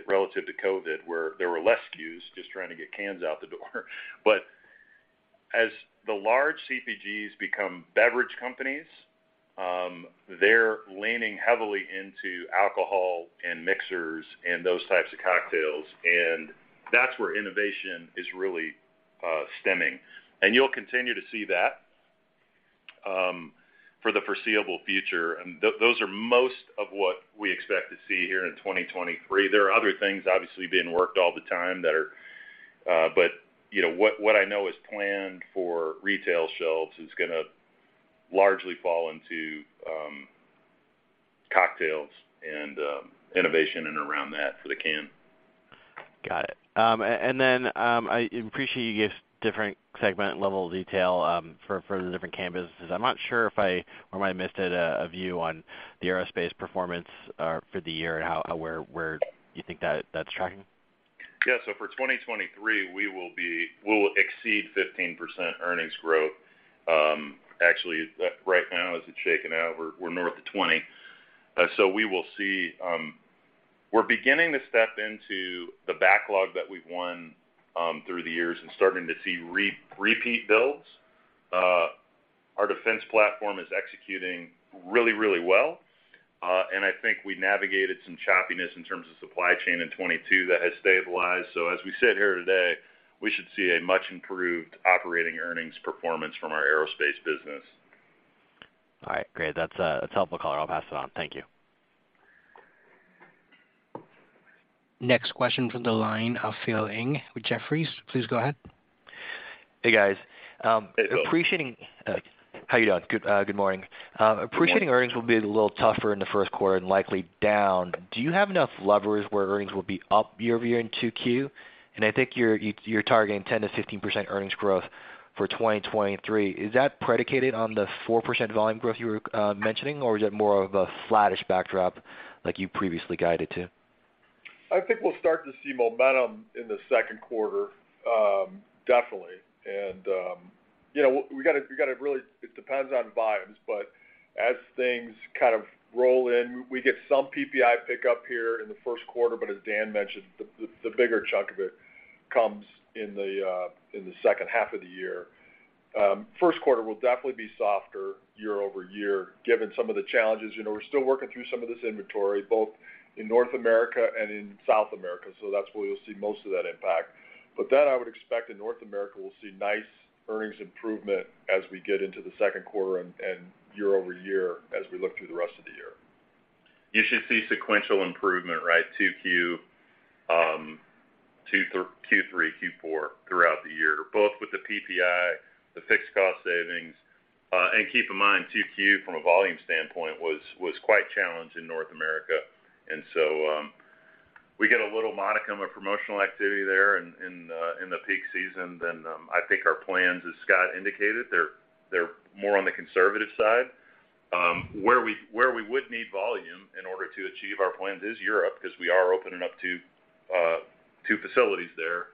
relative to COVID, where there were less SKUs just trying to get cans out the door. As the large CPGs become beverage companies, they're leaning heavily into alcohol and mixers and those types of cocktails, that's where innovation is really stemming. You'll continue to see that for the foreseeable future. Those are most of what we expect to see here in 2023. There are other things obviously being worked all the time that are. You know, what I know is planned for retail shelves is gonna largely fall into cocktails and innovation and around that for the can. Got it. Then, I appreciate you gave different segment level detail for the different can businesses. I'm not sure if I or might have missed it, a view on the aerospace performance for the year and how, where you think that's tracking. Yeah. For 2023, we will exceed 15% earnings growth. Actually, right now as it's shaken out, we're north of 20. We will see. We're beginning to step into the backlog that we've won through the years and starting to see re-repeat builds. Our defense platform is executing really, really well. I think we navigated some choppiness in terms of supply chain in 2022 that has stabilized. As we sit here today, we should see a much improved operating earnings performance from our aerospace business. All right. Great. That's, that's a helpful color. I'll pass it on. Thank you. Next question from the line of Philip Ng with Jefferies. Please go ahead. Hey, guys. Hey, Phil. How you doing? Good, good morning. Good morning. Appreciating earnings will be a little tougher in the first quarter and likely down. Do you have enough levers where earnings will be up year-over-year in 2Q? I think you're targeting 10%-15% earnings growth for 2023. Is that predicated on the 4% volume growth you were mentioning, or is it more of a flattish backdrop like you previously guided to? I think we'll start to see momentum in the second quarter, definitely. You know, it depends on volumes, but as things kind of roll in, we get some PPI pickup here in the first quarter, but as Dan mentioned, the bigger chunk of it comes in the second half of the year. First quarter will definitely be softer year-over-year, given some of the challenges. You know, we're still working through some of this inventory, both in North America and in South America, so that's where we'll see most of that impact. I would expect in North America, we'll see nice earnings improvement as we get into the second quarter and year-over-year as we look through the rest of the year. You should see sequential improvement, right, 2Q, Q3, Q4 throughout the year, both with the PPI, the fixed cost savings. Keep in mind, 2Q from a volume standpoint was quite challenged in North America. We get a little modicum of promotional activity there in the peak season, I think our plans, as Scott indicated, they're more on the conservative side. Where we would need volume in order to achieve our plans is Europe, 'cause we are opening up 2 facilities there.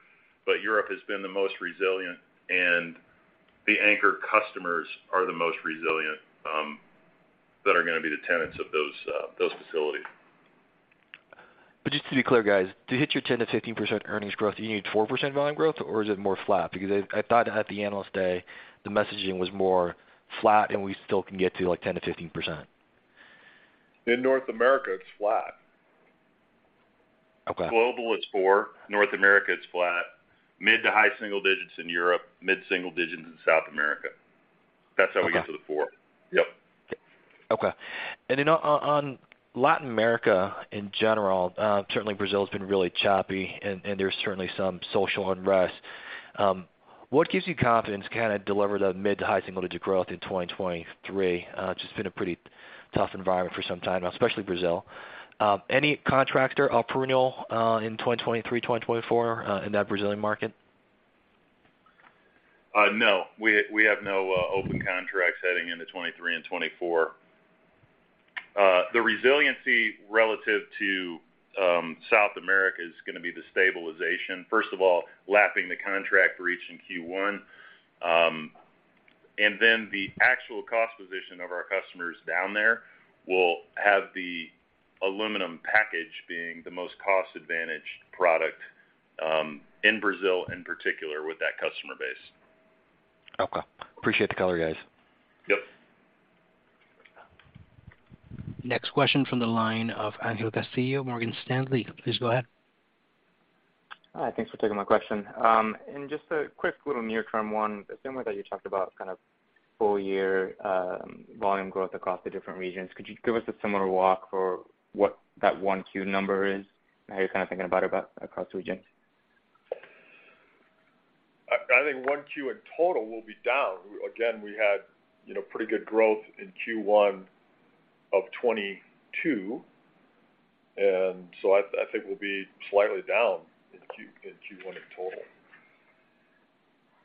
Europe has been the most resilient, and the anchor customers are the most resilient that are gonna be the tenants of those facilities. Just to be clear, guys, to hit your 10%-15% earnings growth, do you need 4% volume growth, or is it more flat? I thought at the Analyst Day, the messaging was more flat and we still can get to like 10%-15%. In North America, it's flat. Okay. Global, it's 4%. North America, it's flat. Mid to high single digits in Europe, mid single digits in South America. Okay. That's how we get to the four. Yep. Okay. On Latin America in general, certainly Brazil has been really choppy and there's certainly some social unrest. What gives you confidence to kind of deliver the mid to high single digit growth in 2023? It's just been a pretty tough environment for some time now, especially Brazil. Any contractor or perennial, in 2023, 2024, in that Brazilian market? No. We have no open contracts heading into 2023 and 2024. The resiliency relative to South America is gonna be the stabilization. First of all, lapping the contract breach in Q1, and then the actual cost position of our customers down there will have the aluminum package being the most cost-advantaged product, in Brazil, in particular with that customer base. Okay. Appreciate the color, guys. Yep. Next question from the line of Angel Castillo, Morgan Stanley. Please go ahead. Hi. Thanks for taking my question. Just a quick little near-term one, assuming that you talked about kind of full year, volume growth across the different regions, could you give us a similar walk for what that 1Q number is and how you're kind of thinking about it across the regions? I think one Q in total will be down. Again, we had, you know, pretty good growth in Q1 of 2022. I think we'll be slightly down in Q1 in total.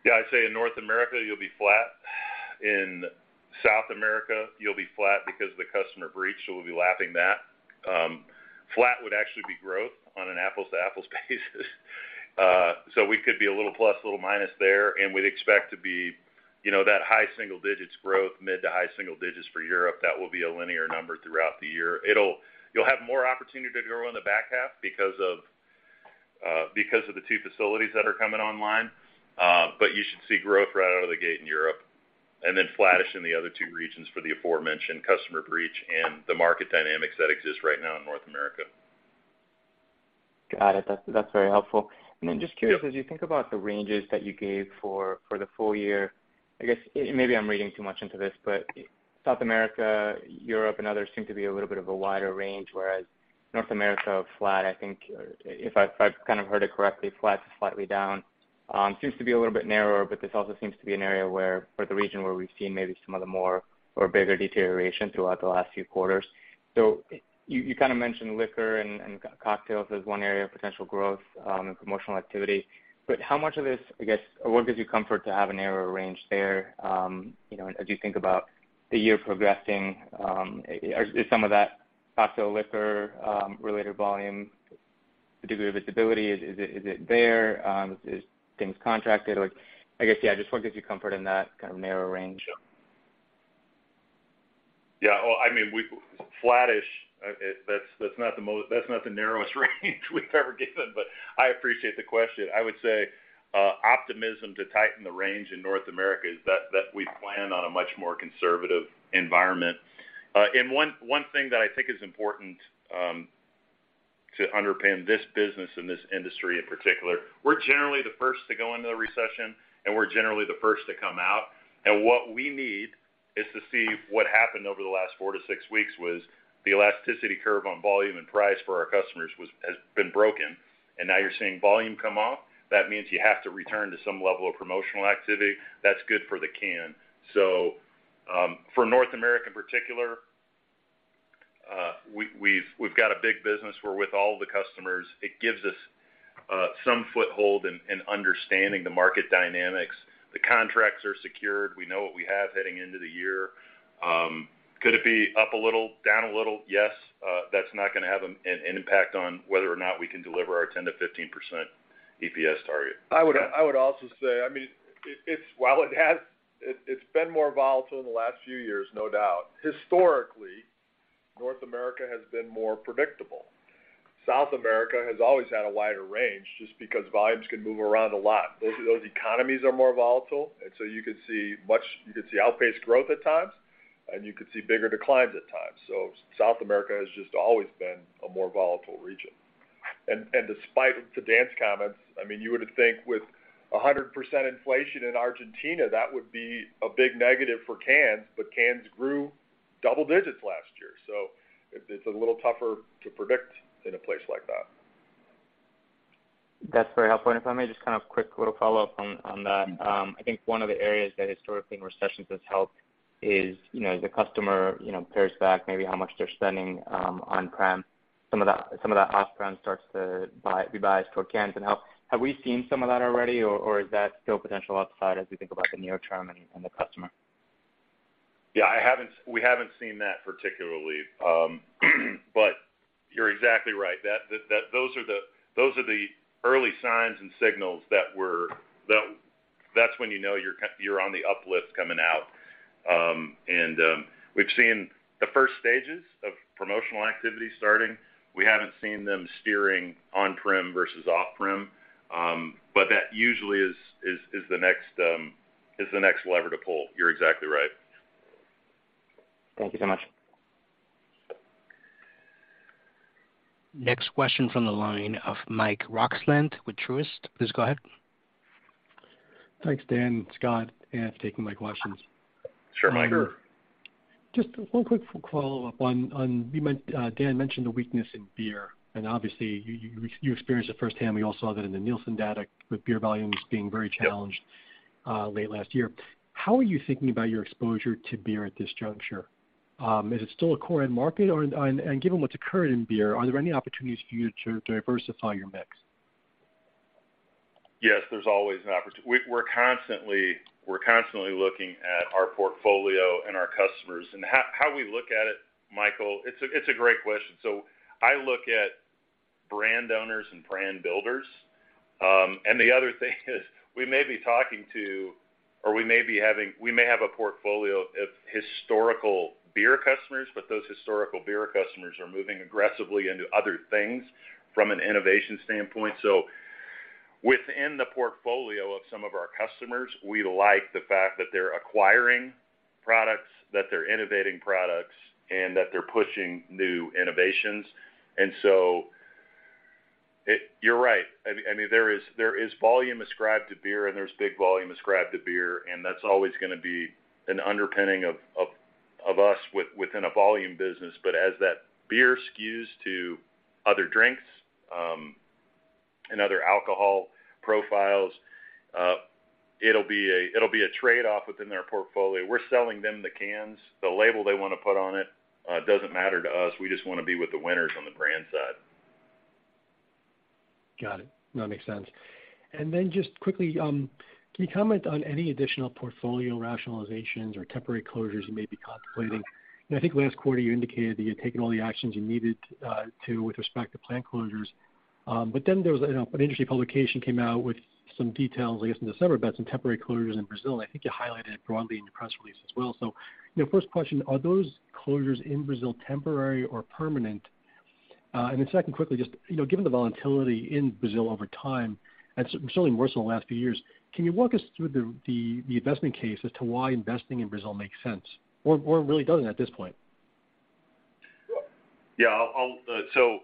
Yeah, I'd say in North America, you'll be flat. In South America, you'll be flat because of the customer breach, so we'll be lapping that. Flat would actually be growth on an apples-to-apples basis. We could be a little plus, a little minus there, and we'd expect to be, you know, that high single digits growth, mid to high single digits for Europe. That will be a linear number throughout the year. You'll have more opportunity to grow in the back half because of, because of the two facilities that are coming online. You should see growth right out of the gate in Europe, and then flattish in the other two regions for the aforementioned customer breach and the market dynamics that exist right now in North America. Got it. That's very helpful. Just curious, as you think about the ranges that you gave for the full year, I guess maybe I'm reading too much into this, but South America, Europe, and others seem to be a little bit of a wider range, whereas North America flat, I think, if I've kind of heard it correctly, flat to slightly down, seems to be a little bit narrower, but this also seems to be an area or the region where we've seen maybe some of the more or bigger deterioration throughout the last few quarters. You kind of mentioned liquor and cocktails as one area of potential growth and promotional activity, but how much of this, or what gives you comfort to have a narrower range there, you know, as you think about the year progressing, is some of that cocktail, liquor, related volume, the degree of visibility, is it there? Is things contracted? Like, I guess, yeah, just what gives you comfort in that kind of narrow range? Yeah. Well, I mean, flattish, that's not the narrowest range we've ever given, but I appreciate the question. I would say, optimism to tighten the range in North America is that we plan on a much more conservative environment. One thing that I think is important, To underpin this business and this industry in particular, we're generally the first to go into the recession, and we're generally the first to come out. What we need is to see what happened over the last 4 to 6 weeks was the elasticity curve on volume and price for our customers has been broken. Now you're seeing volume come off. That means you have to return to some level of promotional activity. That's good for the can. For North America, in particular, we've got a big business. We're with all the customers. It gives us some foothold in understanding the market dynamics. The contracts are secured. We know what we have heading into the year. Could it be up a little, down a little? Yes. that's not gonna have an impact on whether or not we can deliver our 10%-15% EPS target. I would also say, I mean, while it has been more volatile in the last few years, no doubt. Historically, North America has been more predictable. South America has always had a wider range just because volumes can move around a lot. Those economies are more volatile, and so you could see outpaced growth at times, and you could see bigger declines at times. South America has just always been a more volatile region. Despite to Dan's comments, I mean, you would think with 100% inflation in Argentina, that would be a big negative for cans, but cans grew double digits last year. It's a little tougher to predict in a place like that. That's very helpful. If I may just kind of quick little follow-up on that. I think one of the areas that historically in recessions has helped is, you know, the customer, you know, pares back maybe how much they're spending on-prem. Some of that off-prem starts to rebuy towards cans. Have we seen some of that already, or is that still potential upside as we think about the near term and the customer? Yeah, we haven't seen that particularly. You're exactly right. That those are the early signs and signals that's when you know you're on the uplift coming out. We've seen the first stages of promotional activity starting. We haven't seen them steering on-prem versus off-prem. That usually is the next lever to pull. You're exactly right. Thank you so much. Next question from the line of Mike Roxland with Truist. Please go ahead. Thanks, Dan, Scott, and taking my questions. Sure, Mike. Sure. Just one quick follow-up on, you Dan mentioned the weakness in beer, and obviously you experienced it firsthand. We all saw that in the Nielsen data with beer volumes being very challenged late last year. How are you thinking about your exposure to beer at this juncture? Is it still a core end market, or, and given what's occurred in beer, are there any opportunities for you to diversify your mix? Yes, there's always an opportunity. We're constantly looking at our portfolio and our customers. How we look at it, Michael, it's a great question. I look at brand owners and brand builders. The other thing is we may be talking to or we may have a portfolio of historical beer customers, but those historical beer customers are moving aggressively into other things from an innovation standpoint. Within the portfolio of some of our customers, we like the fact that they're acquiring products, that they're innovating products, and that they're pushing new innovations. You're right. I mean, there is volume ascribed to beer, and there's big volume ascribed to beer, and that's always gonna be an underpinning of us within a volume business. As that beer skews to other drinks and other alcohol profiles, it'll be a trade-off within their portfolio. We're selling them the cans. The label they wanna put on it doesn't matter to us. We just wanna be with the winners on the brand side. Got it. No, it makes sense. Just quickly, can you comment on any additional portfolio rationalizations or temporary closures you may be contemplating? I think last quarter you indicated that you had taken all the actions you needed to with respect to plant closures. There was, you know, an industry publication came out with some details, I guess, in December, about some temporary closures in Brazil. I think you highlighted it broadly in your press release as well. You know, first question, are those closures in Brazil temporary or permanent? Second, quickly, just, you know, given the volatility in Brazil over time and certainly worse in the last few years, can you walk us through the investment case as to why investing in Brazil makes sense or really doesn't at this point? Yeah, I'll so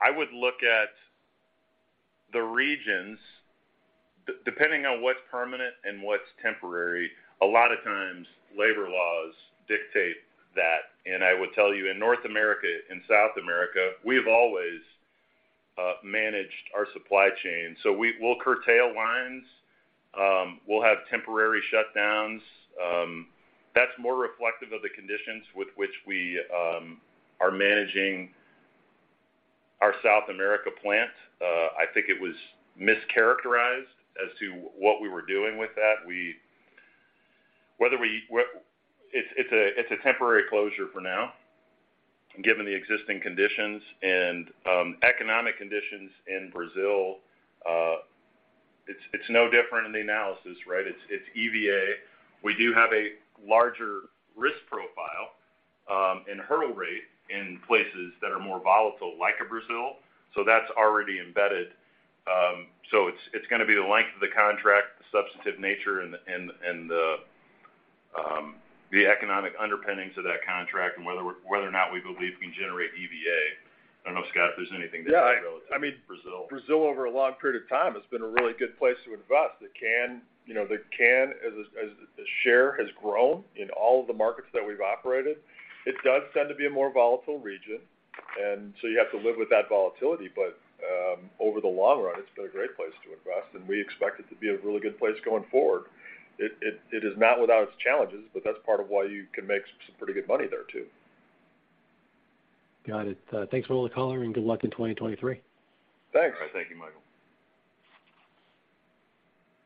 I would look at the regions, depending on what's permanent and what's temporary, a lot of times labor laws dictate that. I would tell you, in North America and South America, we've always managed our supply chain. We'll curtail lines. We'll have temporary shutdowns. That's more reflective of the conditions with which we are managing our South America plant. I think it was mischaracterized as to what we were doing with that. It's a temporary closure for now, given the existing conditions and economic conditions in Brazil. It's no different in the analysis, right? It's EVA. We do have a larger risk profile, and hurdle rate in places that are more volatile, like a Brazil. That's already embedded. It's, it's gonna be the length of the contract, the substantive nature and the economic underpinnings of that contract and whether or not we believe we can generate EVA. I don't know, Scott, if there's anything to add relative to Brazil. Yeah, I mean, Brazil, over a long period of time, has been a really good place to invest. The can, you know, the can as share has grown in all of the markets that we've operated. It does tend to be a more volatile region. You have to live with that volatility. Over the long run, it's been a great place to invest, and we expect it to be a really good place going forward. It is not without its challenges. That's part of why you can make some pretty good money there too. Got it. Thanks for all the color, and good luck in 2023. Thanks. All right. Thank you, Michael.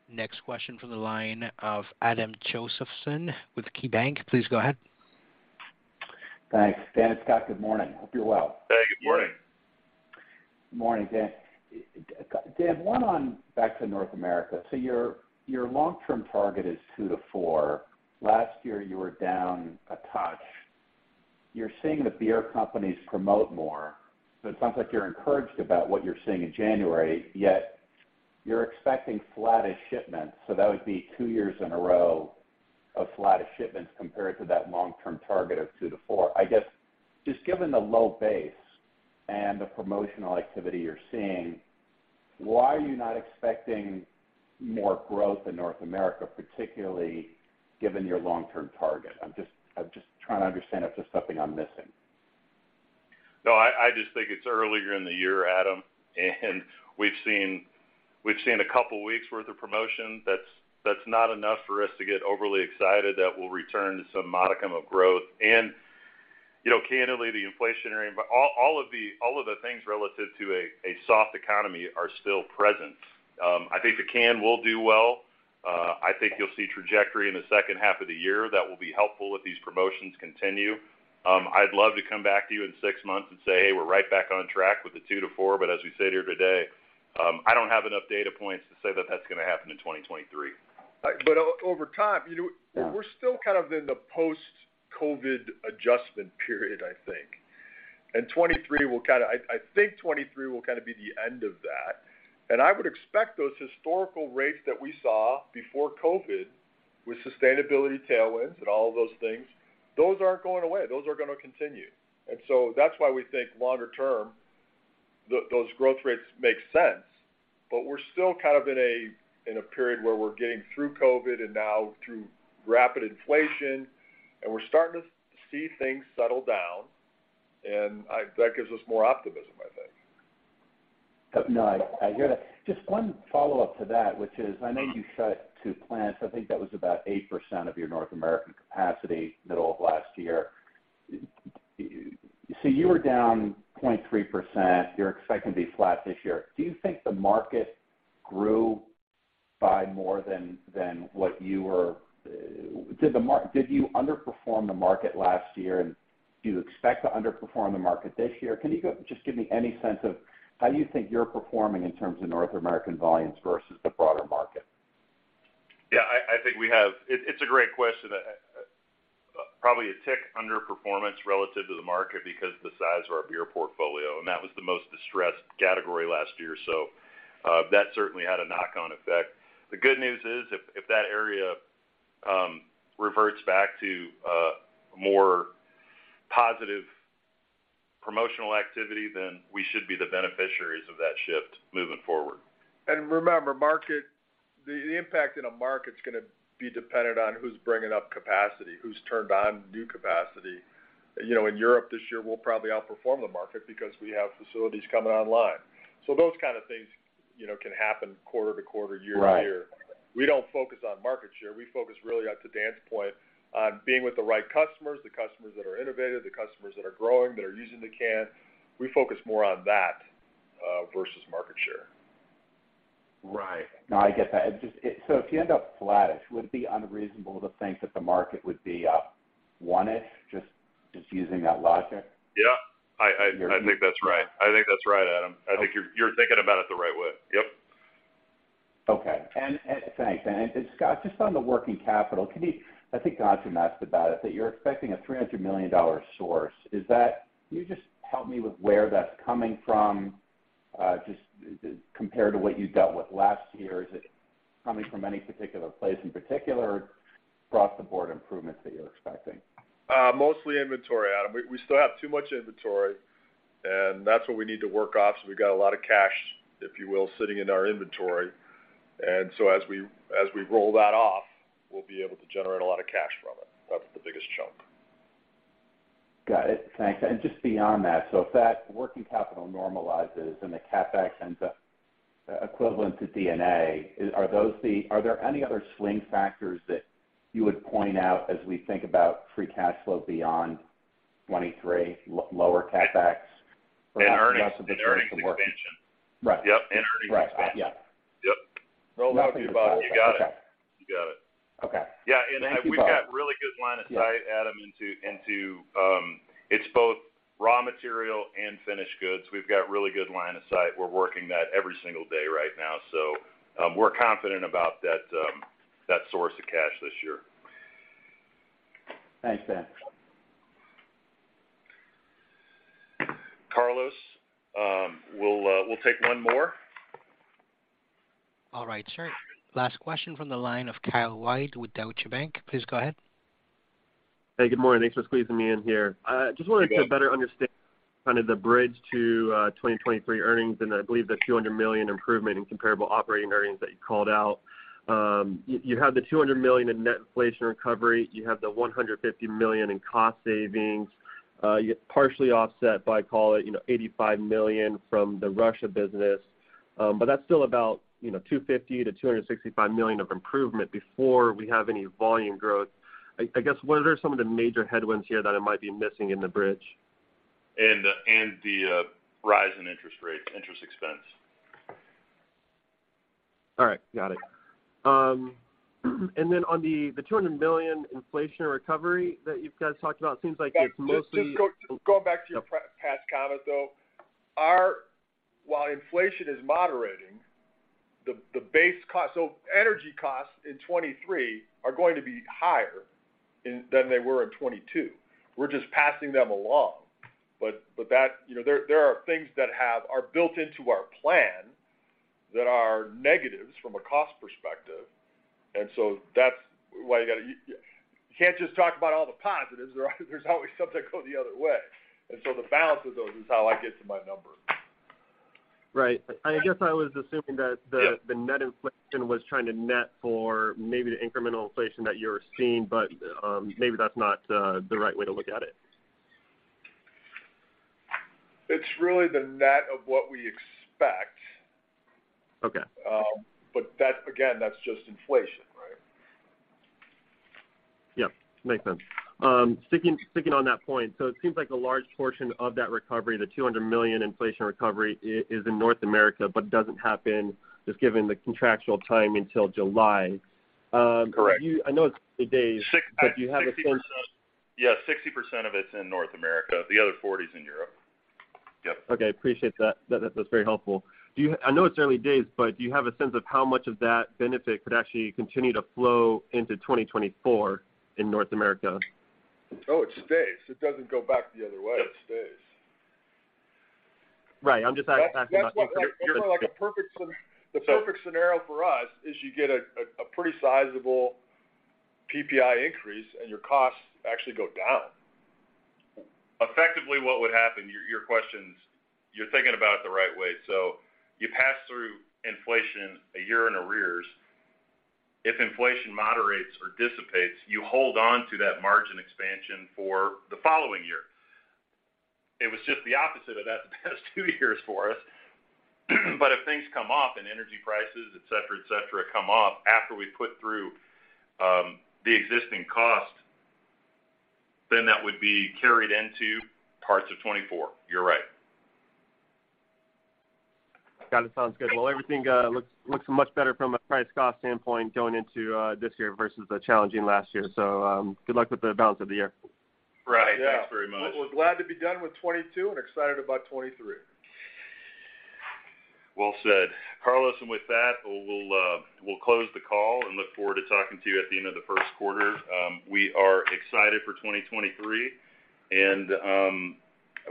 Next question from the line of Adam Josephson with KeyBank. Please go ahead. Thanks. Dan and Scott, good morning. Hope you're well. Hey, good morning. Good morning, Dan. Dan, one on back to North America. Your long-term target is 2-4%. Last year, you were down a touch. You're seeing the beer companies promote more. It sounds like you're encouraged about what you're seeing in January, yet you're expecting flattish shipments. That would be 2 years in a row of flattish shipments compared to that long-term target of 2-4%. Just given the low base and the promotional activity you're seeing, why are you not expecting more growth in North America, particularly given your long-term target? I'm just trying to understand if there's something I'm missing. No, I just think it's earlier in the year, Adam, we've seen a couple weeks worth of promotion. That's not enough for us to get overly excited that we'll return to some modicum of growth. You know, candidly, the inflationary all of the things relative to a soft economy are still present. I think the can will do well. I think you'll see trajectory in the second half of the year that will be helpful if these promotions continue. I'd love to come back to you in 6 months and say, "Hey, we're right back on track with the 2%-4%." As we sit here today, I don't have enough data points to say that that's gonna happen in 2023. Over time, you know, we're still kind of in the post-COVID adjustment period, I think. 23 will kind of I think 23 will kind of be the end of that. I would expect those historical rates that we saw before COVID, with sustainability tailwinds and all of those things, those aren't going away. Those are gonna continue. That's why we think longer term, those growth rates make sense. We're still kind of in a, in a period where we're getting through COVID, and now through rapid inflation, and we're starting to see things settle down, and that gives us more optimism, I think. No, I hear that. Just one follow-up to that, which is I know you shut two plants, I think that was about 8% of your North American capacity, middle of last year. You were down 0.3%. You're expecting to be flat this year. Do you think the market grew by more than what you were? Did you underperform the market last year, and do you expect to underperform the market this year? Just give me any sense of how you think you're performing in terms of North American volumes versus the broader market? I think we have. It's a great question. Probably a tick underperformance relative to the market because of the size of our beer portfolio, and that was the most distressed category last year. That certainly had a knock-on effect. The good news is, if that area reverts back to more positive promotional activity, we should be the beneficiaries of that shift moving forward. Remember, the impact in a market's gonna be dependent on who's bringing up capacity, who's turned on new capacity. You know, in Europe this year, we'll probably outperform the market because we have facilities coming online. Those kind of things, you know, can happen quarter to quarter, year to year. Right. We don't focus on market share. We focus really, to Dan's point, on being with the right customers, the customers that are innovative, the customers that are growing, that are using the can. We focus more on that, versus market share. Right. No, I get that. Just, if you end up flattish, would it be unreasonable to think that the market would be up one-ish, just using that logic? Yeah, I think that's right. I think that's right, Adam. I think you're thinking about it the right way. Yep. Okay. Thanks. Scott, just on the working capital, I think Anshu asked about it, that you're expecting a $300 million source. Can you just help me with where that's coming from, just compared to what you dealt with last year? Is it coming from any particular place in particular, or across the board improvements that you're expecting? Mostly inventory, Adam. We still have too much inventory. That's what we need to work off, so we've got a lot of cash, if you will, sitting in our inventory. As we roll that off, we'll be able to generate a lot of cash from it. That's the biggest chunk. Got it. Thanks. Just beyond that, if that working capital normalizes and the CapEx ends up equivalent to D&A, are there any other swing factors that you would point out as we think about free cash flow beyond 2023, lower CapEx for us to-? Earnings expansion.... work with? Right. Yep, and earnings expansion. Right. Yeah. Yep. Roll with me, bud. Nothing to pull. Okay. You got it. You got it. Okay. Yeah. Thank you, Scott.... really good line of sight, Adam, into it's both raw material and finished goods. We've got really good line of sight. We're working that every single day right now, so we're confident about that source of cash this year. Thanks, Dan. Carlos, we'll take one more. All right, sure. Last question from the line of Kyle White with Deutsche Bank. Please go ahead. Hey, good morning. Thanks for squeezing me in here. Good day. Just wanted to get a better understanding on kind of the bridge to 2023 earnings, and I believe the $200 million improvement in comparable operating earnings that you called out. You have the $200 million in net inflation recovery. You have the $150 million in cost savings, you partially offset by, call it, you know, $85 million from the Russia business. That's still about, you know, $250 million-$265 million of improvement before we have any volume growth. I guess, what are some of the major headwinds here that I might be missing in the bridge? And the rise in interest rates, interest expense. All right, got it. On the $200 million inflation recovery that you guys talked about, seems like it's mostly. Going back to your pre-pass comment, though. While inflation is moderating, the base cost, energy costs in 23 are going to be higher than they were in 22. We're just passing them along. That, you know, there are things that are built into our plan that are negatives from a cost perspective. That's why you gotta, you can't just talk about all the positives. There's always something going the other way. The balance of those is how I get to my number. Right. I guess I was assuming that. Yeah... the net inflation was trying to net for maybe the incremental inflation that you're seeing, but maybe that's not the right way to look at it. It's really the net of what we expect. Okay. That's, again, that's just inflation, right? Yeah, makes sense. Sticking on that point, so it seems like a large portion of that recovery, the $200 million inflation recovery is in North America, but doesn't happen just given the contractual timing until July. Correct. I know it's early days, but do you have a sense? Yeah, 60% of it's in North America. The other 40 is in Europe. Yep. Okay, appreciate that. That's very helpful. I know it's early days, but do you have a sense of how much of that benefit could actually continue to flow into 2024 in North America? Oh, it stays. It doesn't go back the other way. It stays. Right. I'm just asking about your- That's what. The perfect scenario for us is you get a pretty sizable PPI increase, and your costs actually go down. Effectively, what would happen, you're thinking about it the right way. You pass through inflation a year in arrears. If inflation moderates or dissipates, you hold on to that margin expansion for the following year. It was just the opposite of that the past 2 years for us. If things come up and energy prices, et cetera, et cetera, come up after we put through the existing cost, that would be carried into parts of 2024. You're right. Got it. Sounds good. Well, everything looks much better from a price cost standpoint going into this year versus the challenging last year. Good luck with the balance of the year. Right. Thanks very much. Yeah. We're glad to be done with 2022 and excited about 2023. Well said. Carlos, with that, we'll close the call and look forward to talking to you at the end of the first quarter. We are excited for 2023,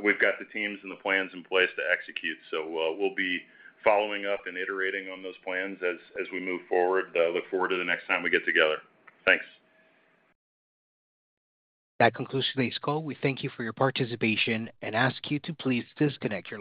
we've got the teams and the plans in place to execute. We'll be following up and iterating on those plans as we move forward. Look forward to the next time we get together. Thanks. That concludes today's call. We thank you for your participation and ask you to please disconnect your lines.